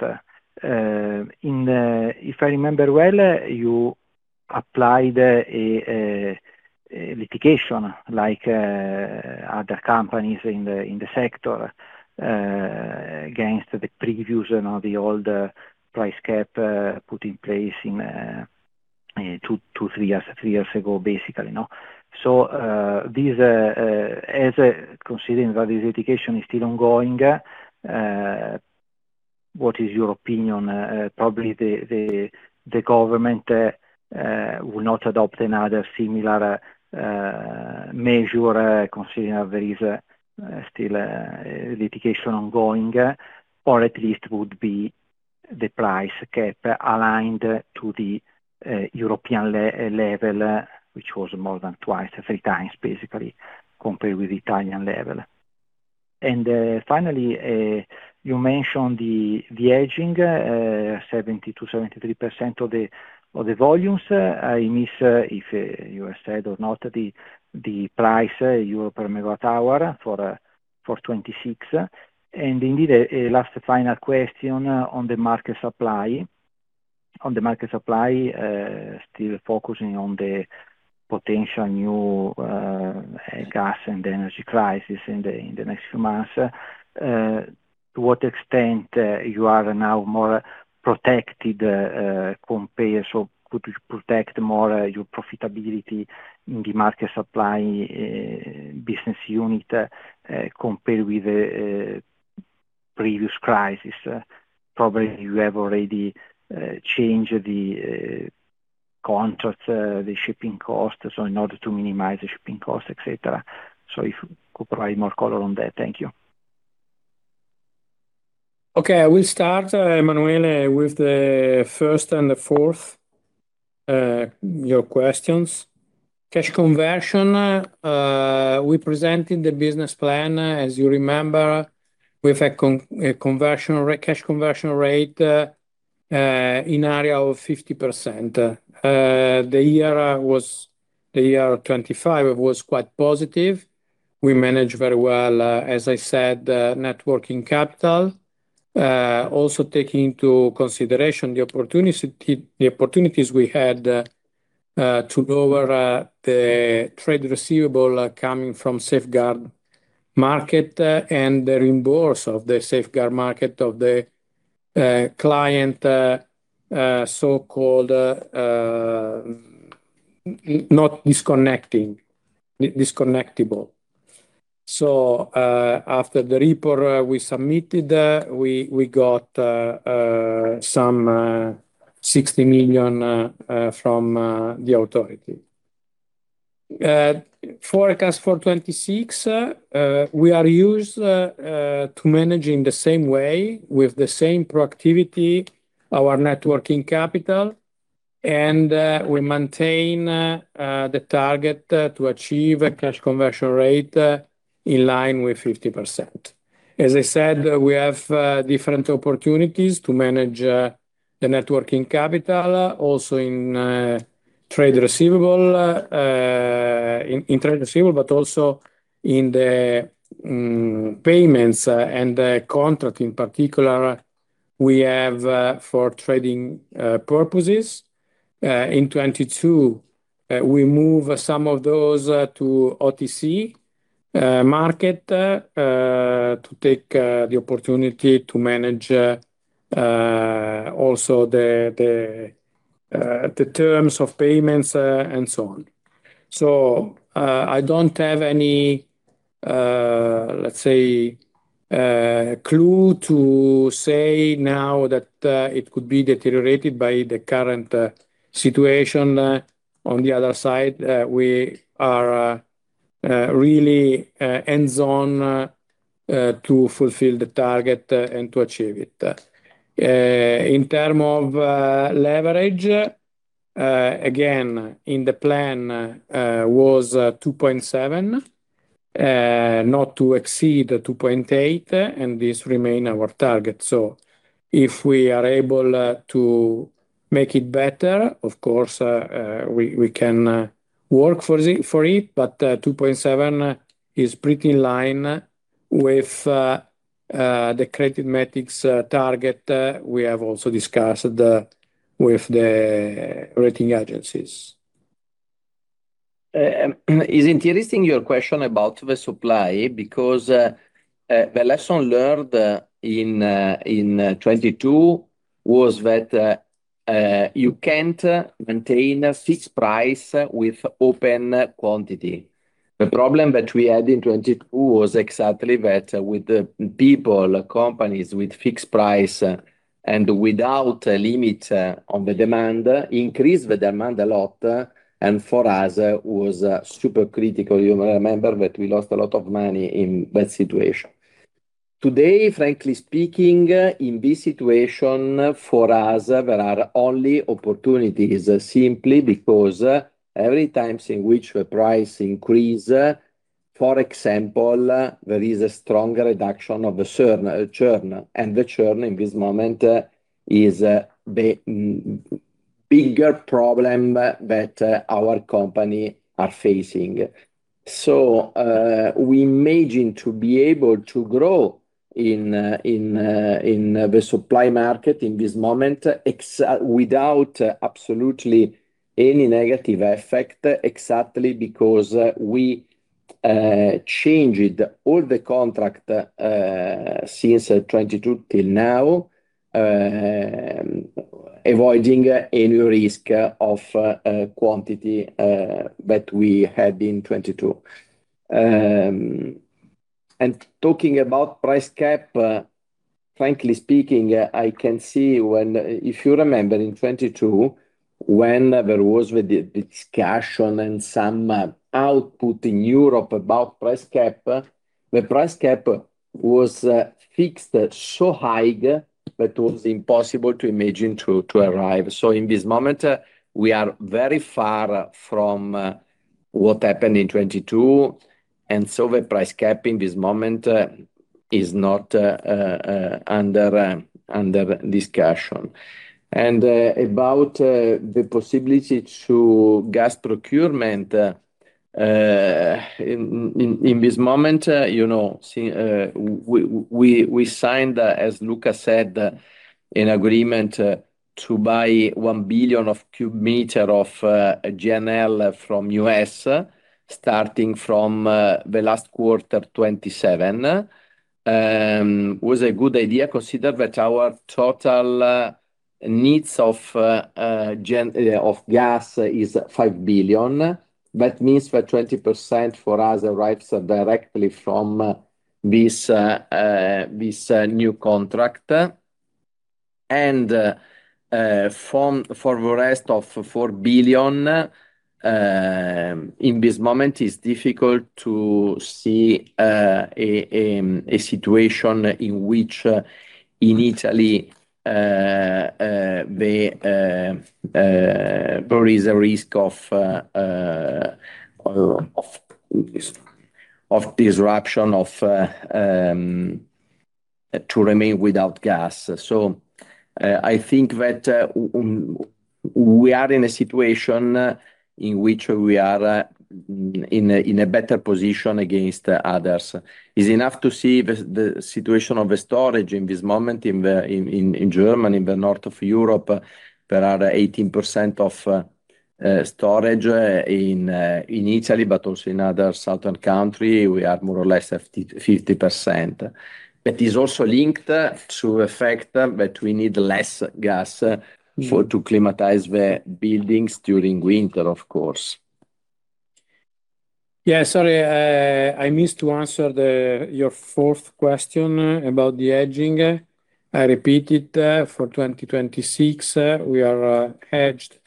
If I remember well, you applied a litigation like other companies in the sector against the previous or now the older price cap put in place in 2023, three years ago, basically, no? Considering that this litigation is still ongoing, what is your opinion? Probably the government will not adopt another similar measure, considering there is still a litigation ongoing, or at least would be the price cap aligned to the European level, which was more than twice or three times basically compared with Italian level. Finally, you mentioned the hedging, 70-73% of the volumes. I missed if you said or not the price EUR per megawatt hour for 2026. Indeed, a last final question on the market supply. On the market supply, still focusing on the potential new gas and energy crisis in the next few months. To what extent you are now more protected, so could you protect more your profitability in the market supply business unit compared with the previous crisis? Probably you have already changed the contract, the shipping cost, so in order to minimize the shipping cost, et cetera. If you could provide more color on that. Thank you. Okay. I will start, Emanuele, with the first and the fourth, your questions. Cash conversion, we presented the business plan, as you remember, with a cash conversion rate in the area of 50%. The year 2025 was quite positive. We managed very well, as I said, net working capital. Also taking into consideration the opportunities we had to lower the trade receivable coming from Safeguard market, and the reimbursement of the Safeguard market of the client, so-called non-disconnectible. After the report we submitted, we got some 60 million from the authority. Forecast for 2026, we are used to managing the same way with the same proactivity our net working capital, and we maintain the target to achieve a cash conversion rate in line with 50%. As I said, we have different opportunities to manage the net working capital also in trade receivable, in trade receivable but also in the payments, and the contract in particular we have for trading purposes. In 2022, we move some of those to OTC market to take the opportunity to manage also the terms of payments, and so on. I don't have any, let's say, clue to say now that it could be deteriorated by the current situation. On the other hand, we are really hands-on to fulfill the target and to achieve it. In terms of leverage, again, in the plan was 2.7, not to exceed 2.8, and this remain our target. If we are able to make it better, of course, we can work for it, but 2.7 is pretty in line with the credit metrics target we have also discussed with the rating agencies. It's interesting your question about the supply because the lesson learned in 2022 was that you can't maintain a fixed price with open quantity. The problem that we had in 2022 was exactly that with the people, companies with fixed price and without a limit on the demand increased the demand a lot, and for us was super critical. You may remember that we lost a lot of money in that situation. Today, frankly speaking, in this situation, for us, there are only opportunities simply because every times in which the price increase, for example, there is a strong reduction of the churn. The churn in this moment is the bigger problem that our company are facing. We imagine to be able to grow in the supply market in this moment exactly without absolutely any negative effect exactly because we changed all the contracts since 2022 till now, avoiding any risk of quantity that we had in 2022. Frankly speaking, if you remember in 2022 when there was the discussion and some outcry in Europe about price cap, the price cap was fixed so high that it was impossible to imagine to arrive. In this moment, we are very far from what happened in 2022, and the price cap in this moment is not under discussion. about the possibility for gas procurement in this moment, you know, see, we signed, as Luca said, an agreement to buy 1 billion cubic meters of GNL from US starting from the last quarter 2027. It was a good idea considering that our total needs of gas is 5 billion. That means that 20% for us arrives directly from this new contract. For the rest of 4 billion, in this moment, it's difficult to see a situation in which, in Italy, there is a risk of disruption to remain without gas. I think that we are in a situation in which we are in a better position against others. It is enough to see the situation of the storage in this moment in Germany, in the north of Europe. There are 18% of storage in Italy, but also in other southern country, we are more or less 50%. That is also linked to the fact that we need less gas for- Mm-hmm To climatize the buildings during winter, of course. Yeah, sorry, I missed to answer your fourth question about the hedging. I repeat it for 2026, we are hedged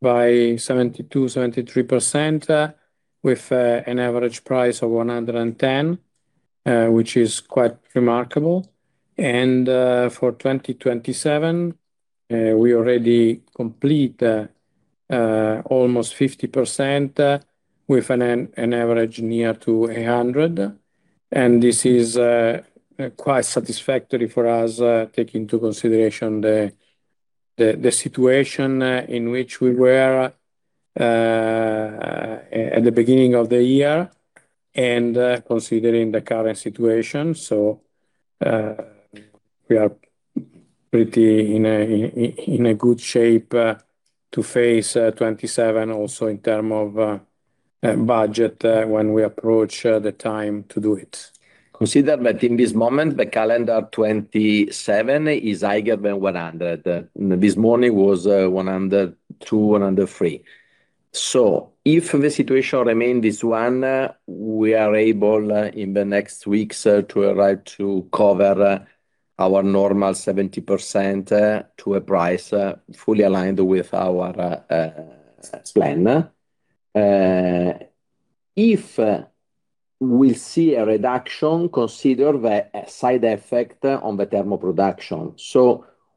by 72-73% with an average price of 110, which is quite remarkable. For 2027, we already complete almost 50% with an average near to 100. This is quite satisfactory for us, take into consideration the situation in which we were at the beginning of the year and considering the current situation. We are pretty in a good shape to face 2027 also in term of budget when we approach the time to do it. Consider that in this moment, the calendar 27 is higher than 100. This morning was 102, 103. If the situation remain this one, we are able, in the next weeks, to arrive to cover our normal 70% to a price, fully aligned with our plan. If we see a reduction, consider the side effect on the thermal production.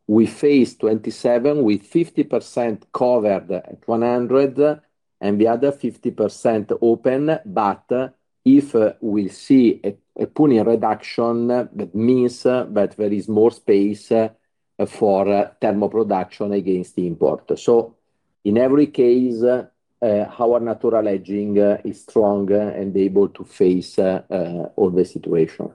We face 27 with 50% covered at 100 and the other 50% open. If we see a PUN reduction, that means that there is more space for thermal production against the import. In every case, our natural hedging is strong and able to face all the situation.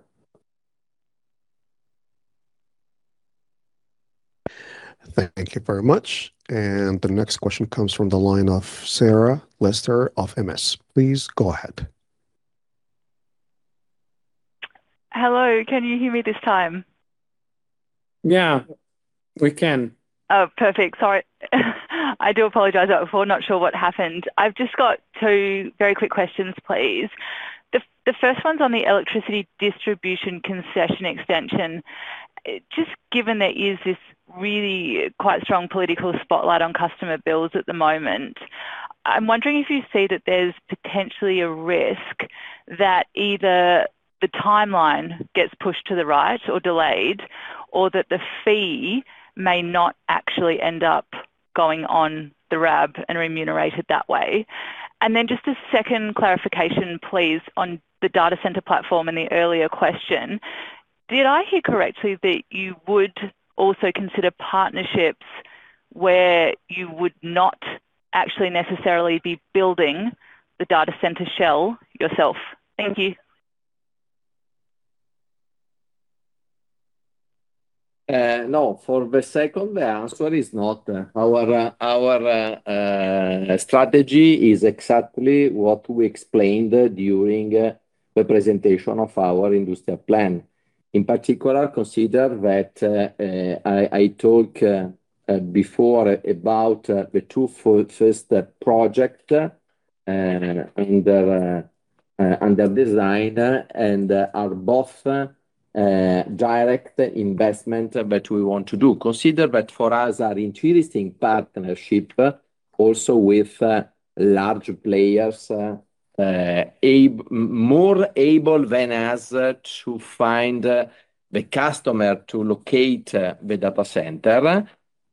Thank you very much. The next question comes from the line of Sarah Lester of MS. Please go ahead. Hello. Can you hear me this time? Yeah, we can. Oh, perfect. Sorry. I do apologize. Not sure what happened. I've just got two very quick questions, please. The first one's on the electricity distribution concession extension. Just given there is this really quite strong political spotlight on customer bills at the moment, I'm wondering if you see that there's potentially a risk that either the timeline gets pushed to the right or delayed or that the fee may not actually end up going on the RAB and remunerated that way. Then just a second clarification, please, on the data center platform in the earlier question. Did I hear correctly that you would also consider partnerships where you would not actually necessarily be building the data center shell yourself? Thank you. No. For the second, the answer is not. Our strategy is exactly what we explained during the presentation of our industrial plan. In particular, consider that I talked before about the two first project under design and are both direct investment that we want to do. Consider that for us are interesting partnership also with large players more able than us to find the customer to locate the data center.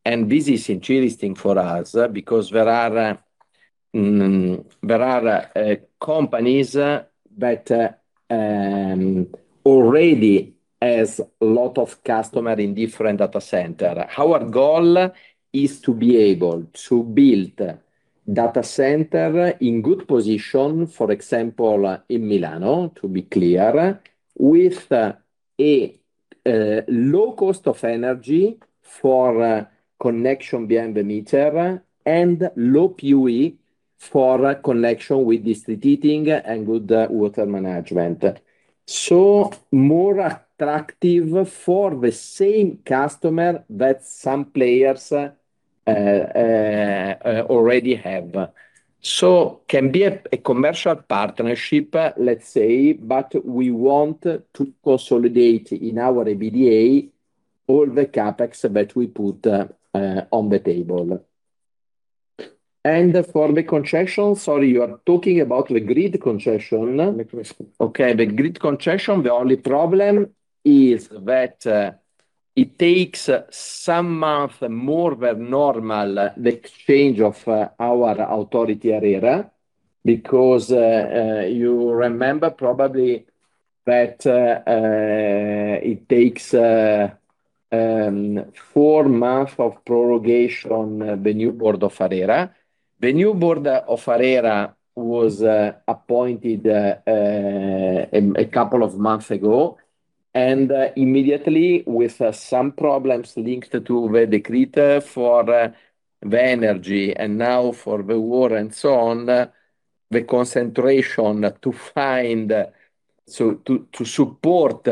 This is interesting for us because there are companies that already has a lot of customer in different data center. Our goal is to be able to build data center in good position, for example, in Milan, to be clear, with a low cost of energy for connection behind the meter and low PUE for connection with district heating and good water management. More attractive for the same customer that some players already have. Can be a commercial partnership, let's say, but we want to consolidate in our EBITDA all the CapEx that we put on the table. For the concession, sorry, you are talking about the grid concession? The grid concession. Okay. The grid concession, the only problem is that it takes some months more than normal, the exchange with our authority ARERA, because you remember probably that it takes 4 months of prorogation on the new board of ARERA. The new board of ARERA was appointed a couple of months ago, and immediately with some problems linked to the Energy Decree and now for the war and so on. To support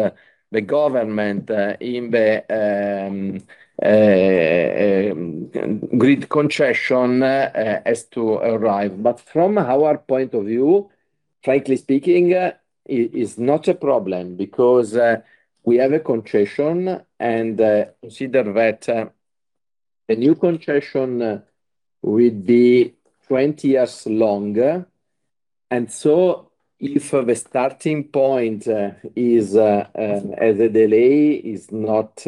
the government in the grid concession as to arrive. From our point of view, frankly speaking, is not a problem because we have a concession and consider that the new concession will be 20 years longer. If the starting point as a delay is not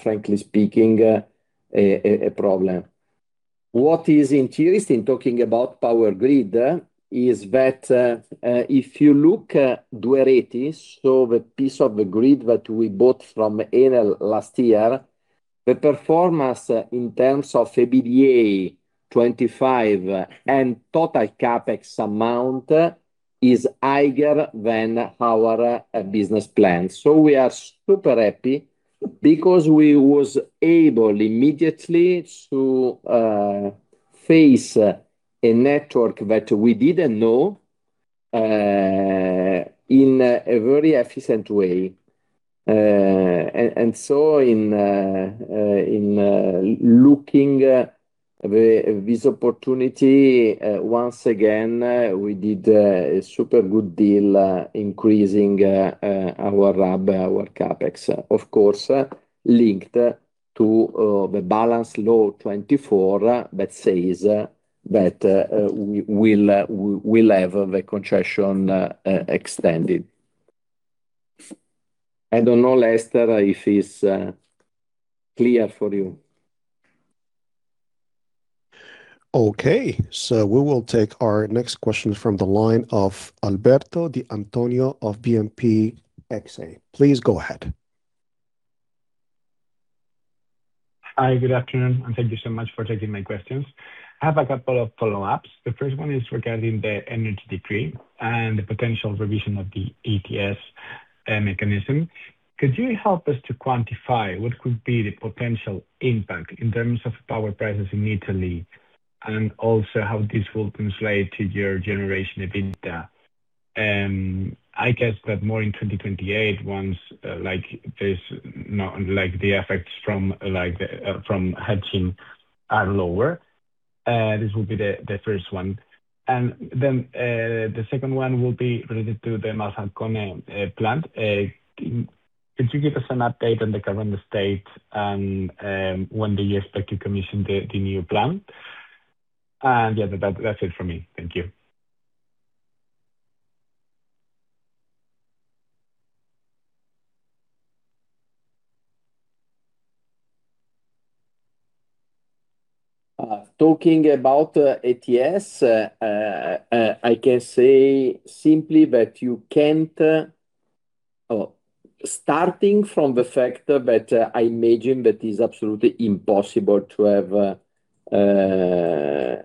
frankly speaking a problem. What is interesting talking about power grid is that if you look Duereti, so the piece of the grid that we bought from Enel last year, the performance in terms of EBITDA 25% and total CapEx amount is higher than our business plan. We are super happy because we was able immediately to face a network that we didn't know in a very efficient way. In looking this opportunity, once again, we did a super good deal, increasing our RAB, our CapEx. Of course, linked to the Budget Law 2024 that says that we will have the concession extended. I don't know, Sarah Lester, if it's clear for you. Okay. We will take our next question from the line of Alberto De Antonio of BNP Paribas Exane. Please go ahead. Hi. Good afternoon, and thank you so much for taking my questions. I have a couple of follow-ups. The first one is regarding the Energy Decree and the potential revision of the ETS mechanism. Could you help us to quantify what could be the potential impact in terms of power prices in Italy and also how this will translate to your generation of EBITDA? I guess that more in 2028 once the effects from hedging are lower. This will be the first one. The second one will be related to the Monfalcone plant. Could you give us an update on the current state and when do you expect to commission the new plant? Yeah, that's it from me. Thank you. Talking about ATS, I can say simply, starting from the fact that I imagine that it's absolutely impossible to have a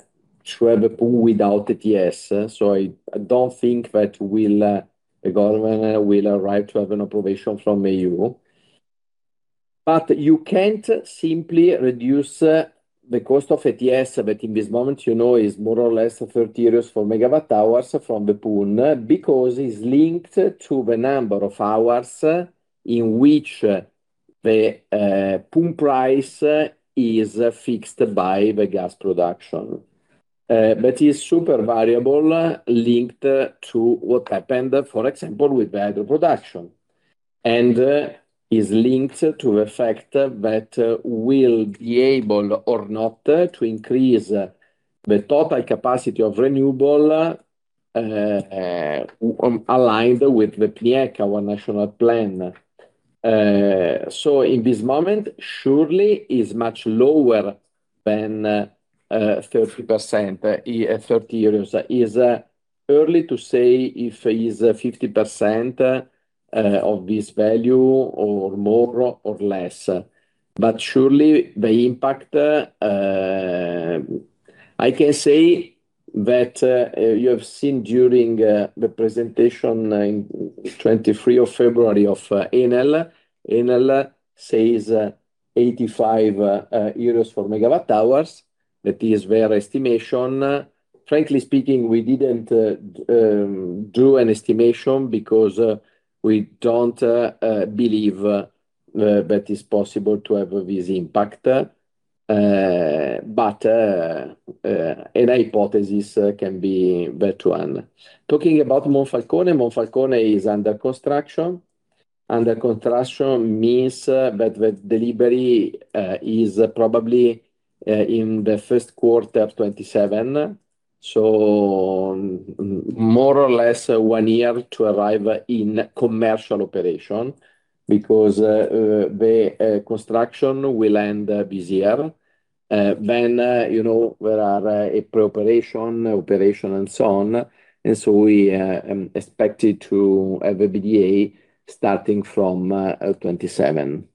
pool without ATS, so I don't think that the government will arrive to have an approval from EU. You can't simply reduce the cost of ATS, but in this moment, you know, it's more or less 30 euros/MWh from the pool because it's linked to the number of hours in which the pool price is fixed by the gas production. It's super variable linked to what happened, for example, with the hydro production. It's linked to the fact that we'll be able or not to increase the total capacity of renewable aligned with the PNIEC, our national plan. At this moment, surely it's much lower than 30%, EUR 30. It's early to say if it's 50% of this value or more or less. Surely the impact, I can say that you have seen during the presentation on the 23rd of February of Enel. Enel says 85 euros for megawatt hours. That is their estimation. Frankly speaking, we didn't do an estimation because we don't believe that it's possible to have this impact. A hypothesis can be that one. Talking about Monfalcone is under construction. Under construction means that the delivery is probably in the first quarter of 2027. More or less 1 year to arrive in commercial operation because the construction will end this year. You know, there are pre-operation, operation and so on. We expect it to have EBITDA starting from 27.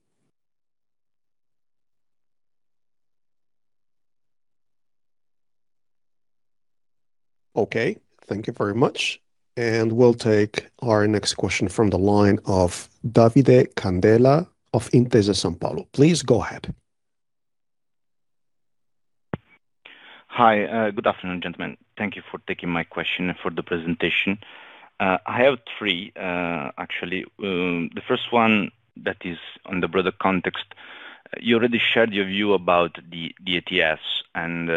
Okay. Thank you very much. We'll take our next question from the line of Davide Candela of Intesa Sanpaolo. Please go ahead. Hi. Good afternoon, gentlemen. Thank you for taking my question and for the presentation. I have three, actually. The first one that is on the broader context, you already shared your view about the ETS and,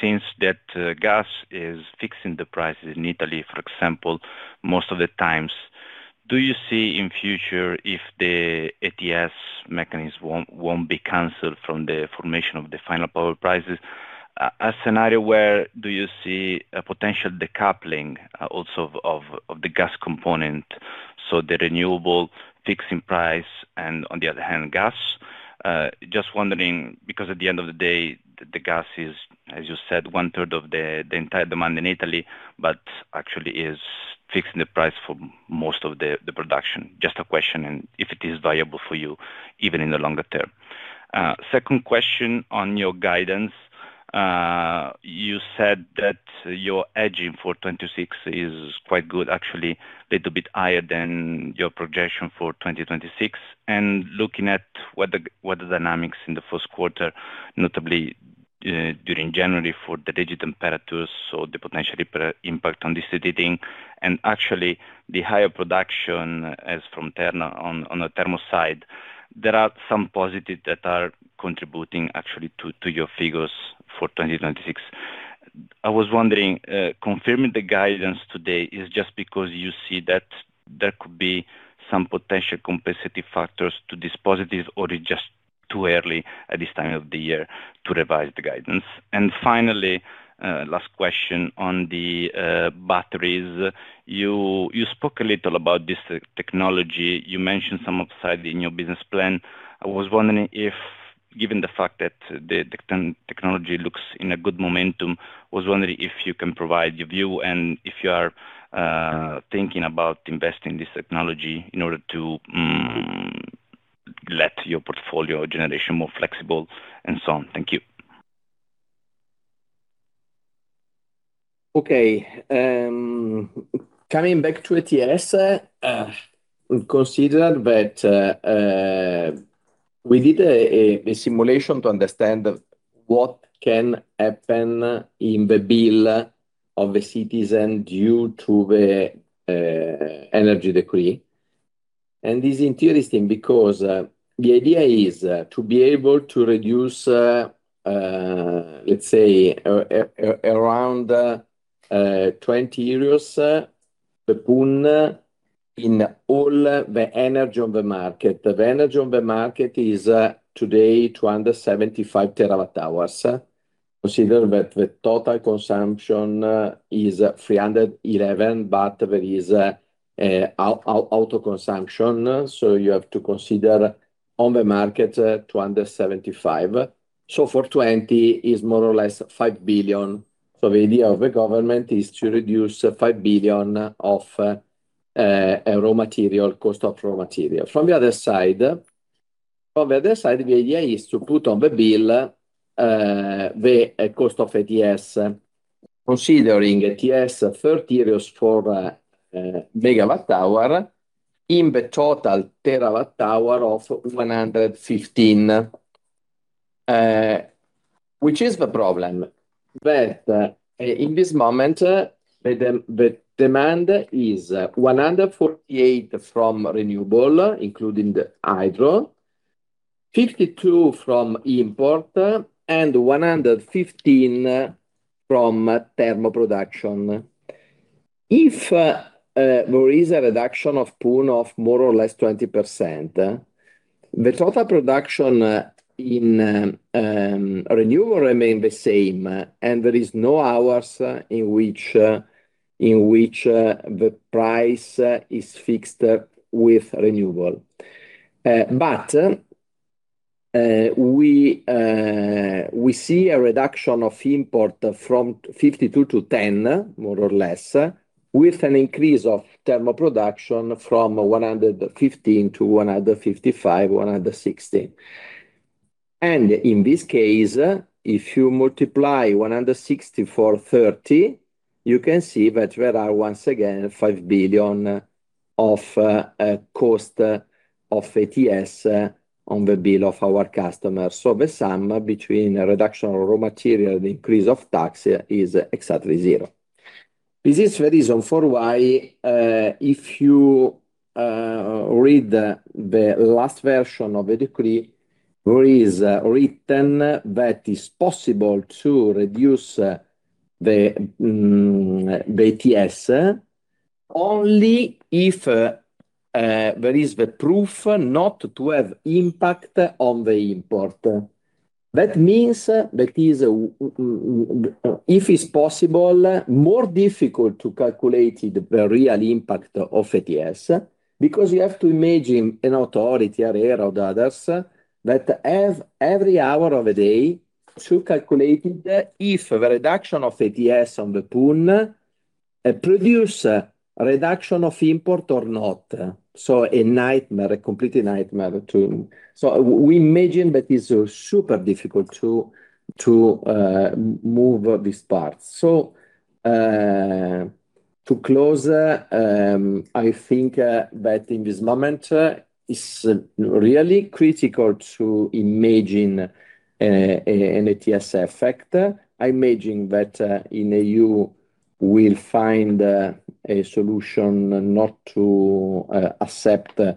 since that gas is fixing the prices in Italy, for example, most of the times, do you see in future if the ETS mechanism won't be canceled from the formation of the final power prices? A scenario where do you see a potential decoupling also of the gas component, so the renewable fixing price and on the other hand, gas? Just wondering because at the end of the day, the gas is, as you said, one-third of the entire demand in Italy, but actually is fixing the price for most of the production. Just a question and if it is viable for you even in the longer term. Second question on your guidance. You said that your hedging for 2026 is quite good, actually little bit higher than your projection for 2026. Looking at what the dynamics in the first quarter, notably during January for the retail markets or the potential impact on this hedging, and actually the higher production as from Terna on the thermal side, there are some positives that are contributing actually to your figures for 2026. I was wondering, confirming the guidance today is just because you see that there could be some potential compensating factors to this positive or is it just too early at this time of the year to revise the guidance? Finally, last question on the batteries. You spoke a little about this technology. You mentioned some upside in your business plan. I was wondering if, given the fact that the technology looks in a good momentum, you can provide your view and if you are thinking about investing this technology in order to let your portfolio generation more flexible and so on. Thank you. Okay. Coming back to ATS, we considered that we did a simulation to understand what can happen in the bill of a citizen due to the Energy Decree. This is interesting because the idea is to be able to reduce, let's say around 20 EUR, the PUN in all the energy on the market. The energy on the market is today 275 terawatt-hours. Consider that the total consumption is 311, but there is auto consumption, so you have to consider on the market 275. For 20 is more or less 5 billion. The idea of the government is to reduce 5 billion of raw material cost of raw material. From the other side, the idea is to put on the bill the cost of ETS, considering ETS 30 EUR per MWh in the total TWh of 115. Which is the problem that in this moment the demand is 148 from renewable, including the hydro, 52 from import, and 115 from thermal production. If there is a reduction of PUN of more or less 20%, the total production in renewable remain the same, and there is no hours in which the price is fixed with renewable. We see a reduction of import from 52 to 10, more or less, with an increase of thermal production from 115 to 155-160. In this case, if you multiply 160 by 30, you can see that there are once again 5 billion of cost of ATS on the bill of our customers. The sum between a reduction of raw material and increase of tax is exactly zero. This is the reason why if you read the last version of the decree where it is written that it is possible to reduce the ATS only if there is the proof not to have impact on the import. That means that it is, if it's possible, more difficult to calculate the real impact of ATS, because you have to imagine an authority or others that have every hour of the day to calculate if the reduction of ATS on the PUN produce a reduction of import or not. A nightmare, a complete nightmare to move these parts. We imagine that it's super difficult to move these parts. To close, I think that in this moment it's really critical to imagine an ETS effect. I imagine that in EU will find a solution not to accept our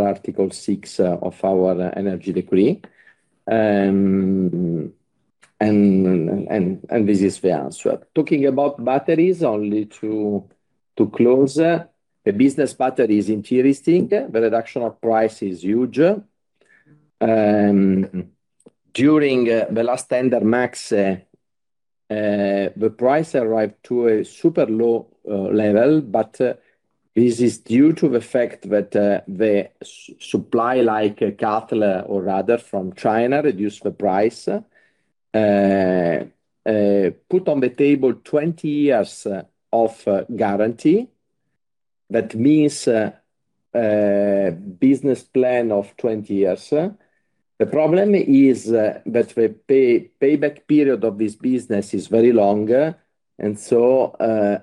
Article 6 of our Energy Decree. This is the answer. Talking about batteries only to close. The battery business is interesting. The reduction of price is huge. During the last tender, the price arrived to a super low level. But this is due to the fact that the supply, like CATL or others from China, reduced the price, put on the table 20 years of guarantee. That means, business plan of 20 years. The problem is, that the payback period of this business is very long, and so,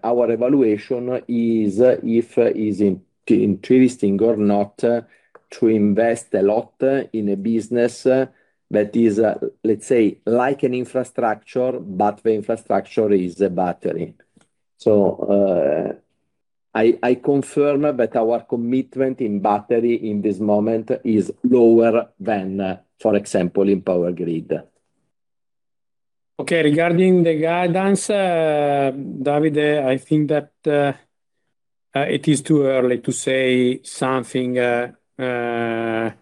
our evaluation is if is interesting or not to invest a lot in a business that is, let's say, like an infrastructure, but the infrastructure is a battery. I confirm that our commitment in battery in this moment is lower than, for example, in power grid. Okay, regarding the guidance, Davide, I think that, it is too early to say something, you can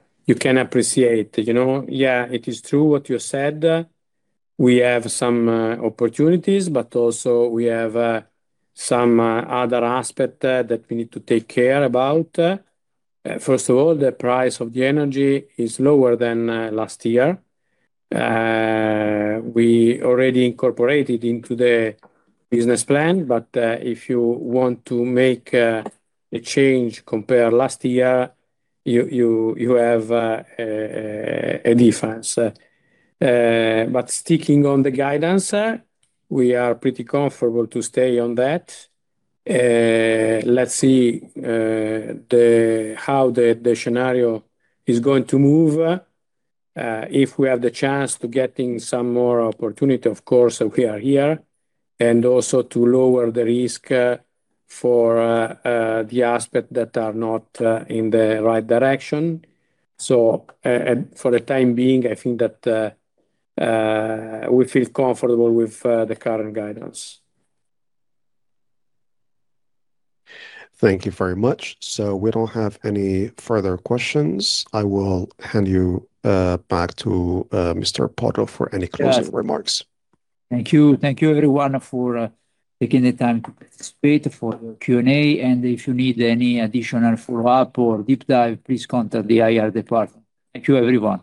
appreciate, you know? Yeah, it is true what you said. We have some opportunities, but also we have some other aspect that we need to take care about. First of all, the price of the energy is lower than last year. We already incorporated into the business plan, but if you want to make a change compared last year, you have a difference. Sticking on the guidance, we are pretty comfortable to stay on that. Let's see how the scenario is going to move. If we have the chance to getting some more opportunity, of course, we are here, and also to lower the risk for the aspect that are not in the right direction. For the time being, I think that we feel comfortable with the current guidance. Thank you very much. We don't have any further questions. I will hand you back to Mr. Porro for any closing remarks. Thank you. Thank you everyone for taking the time to participate for the Q&A, and if you need any additional follow-up or deep dive, please contact the IR department. Thank you, everyone.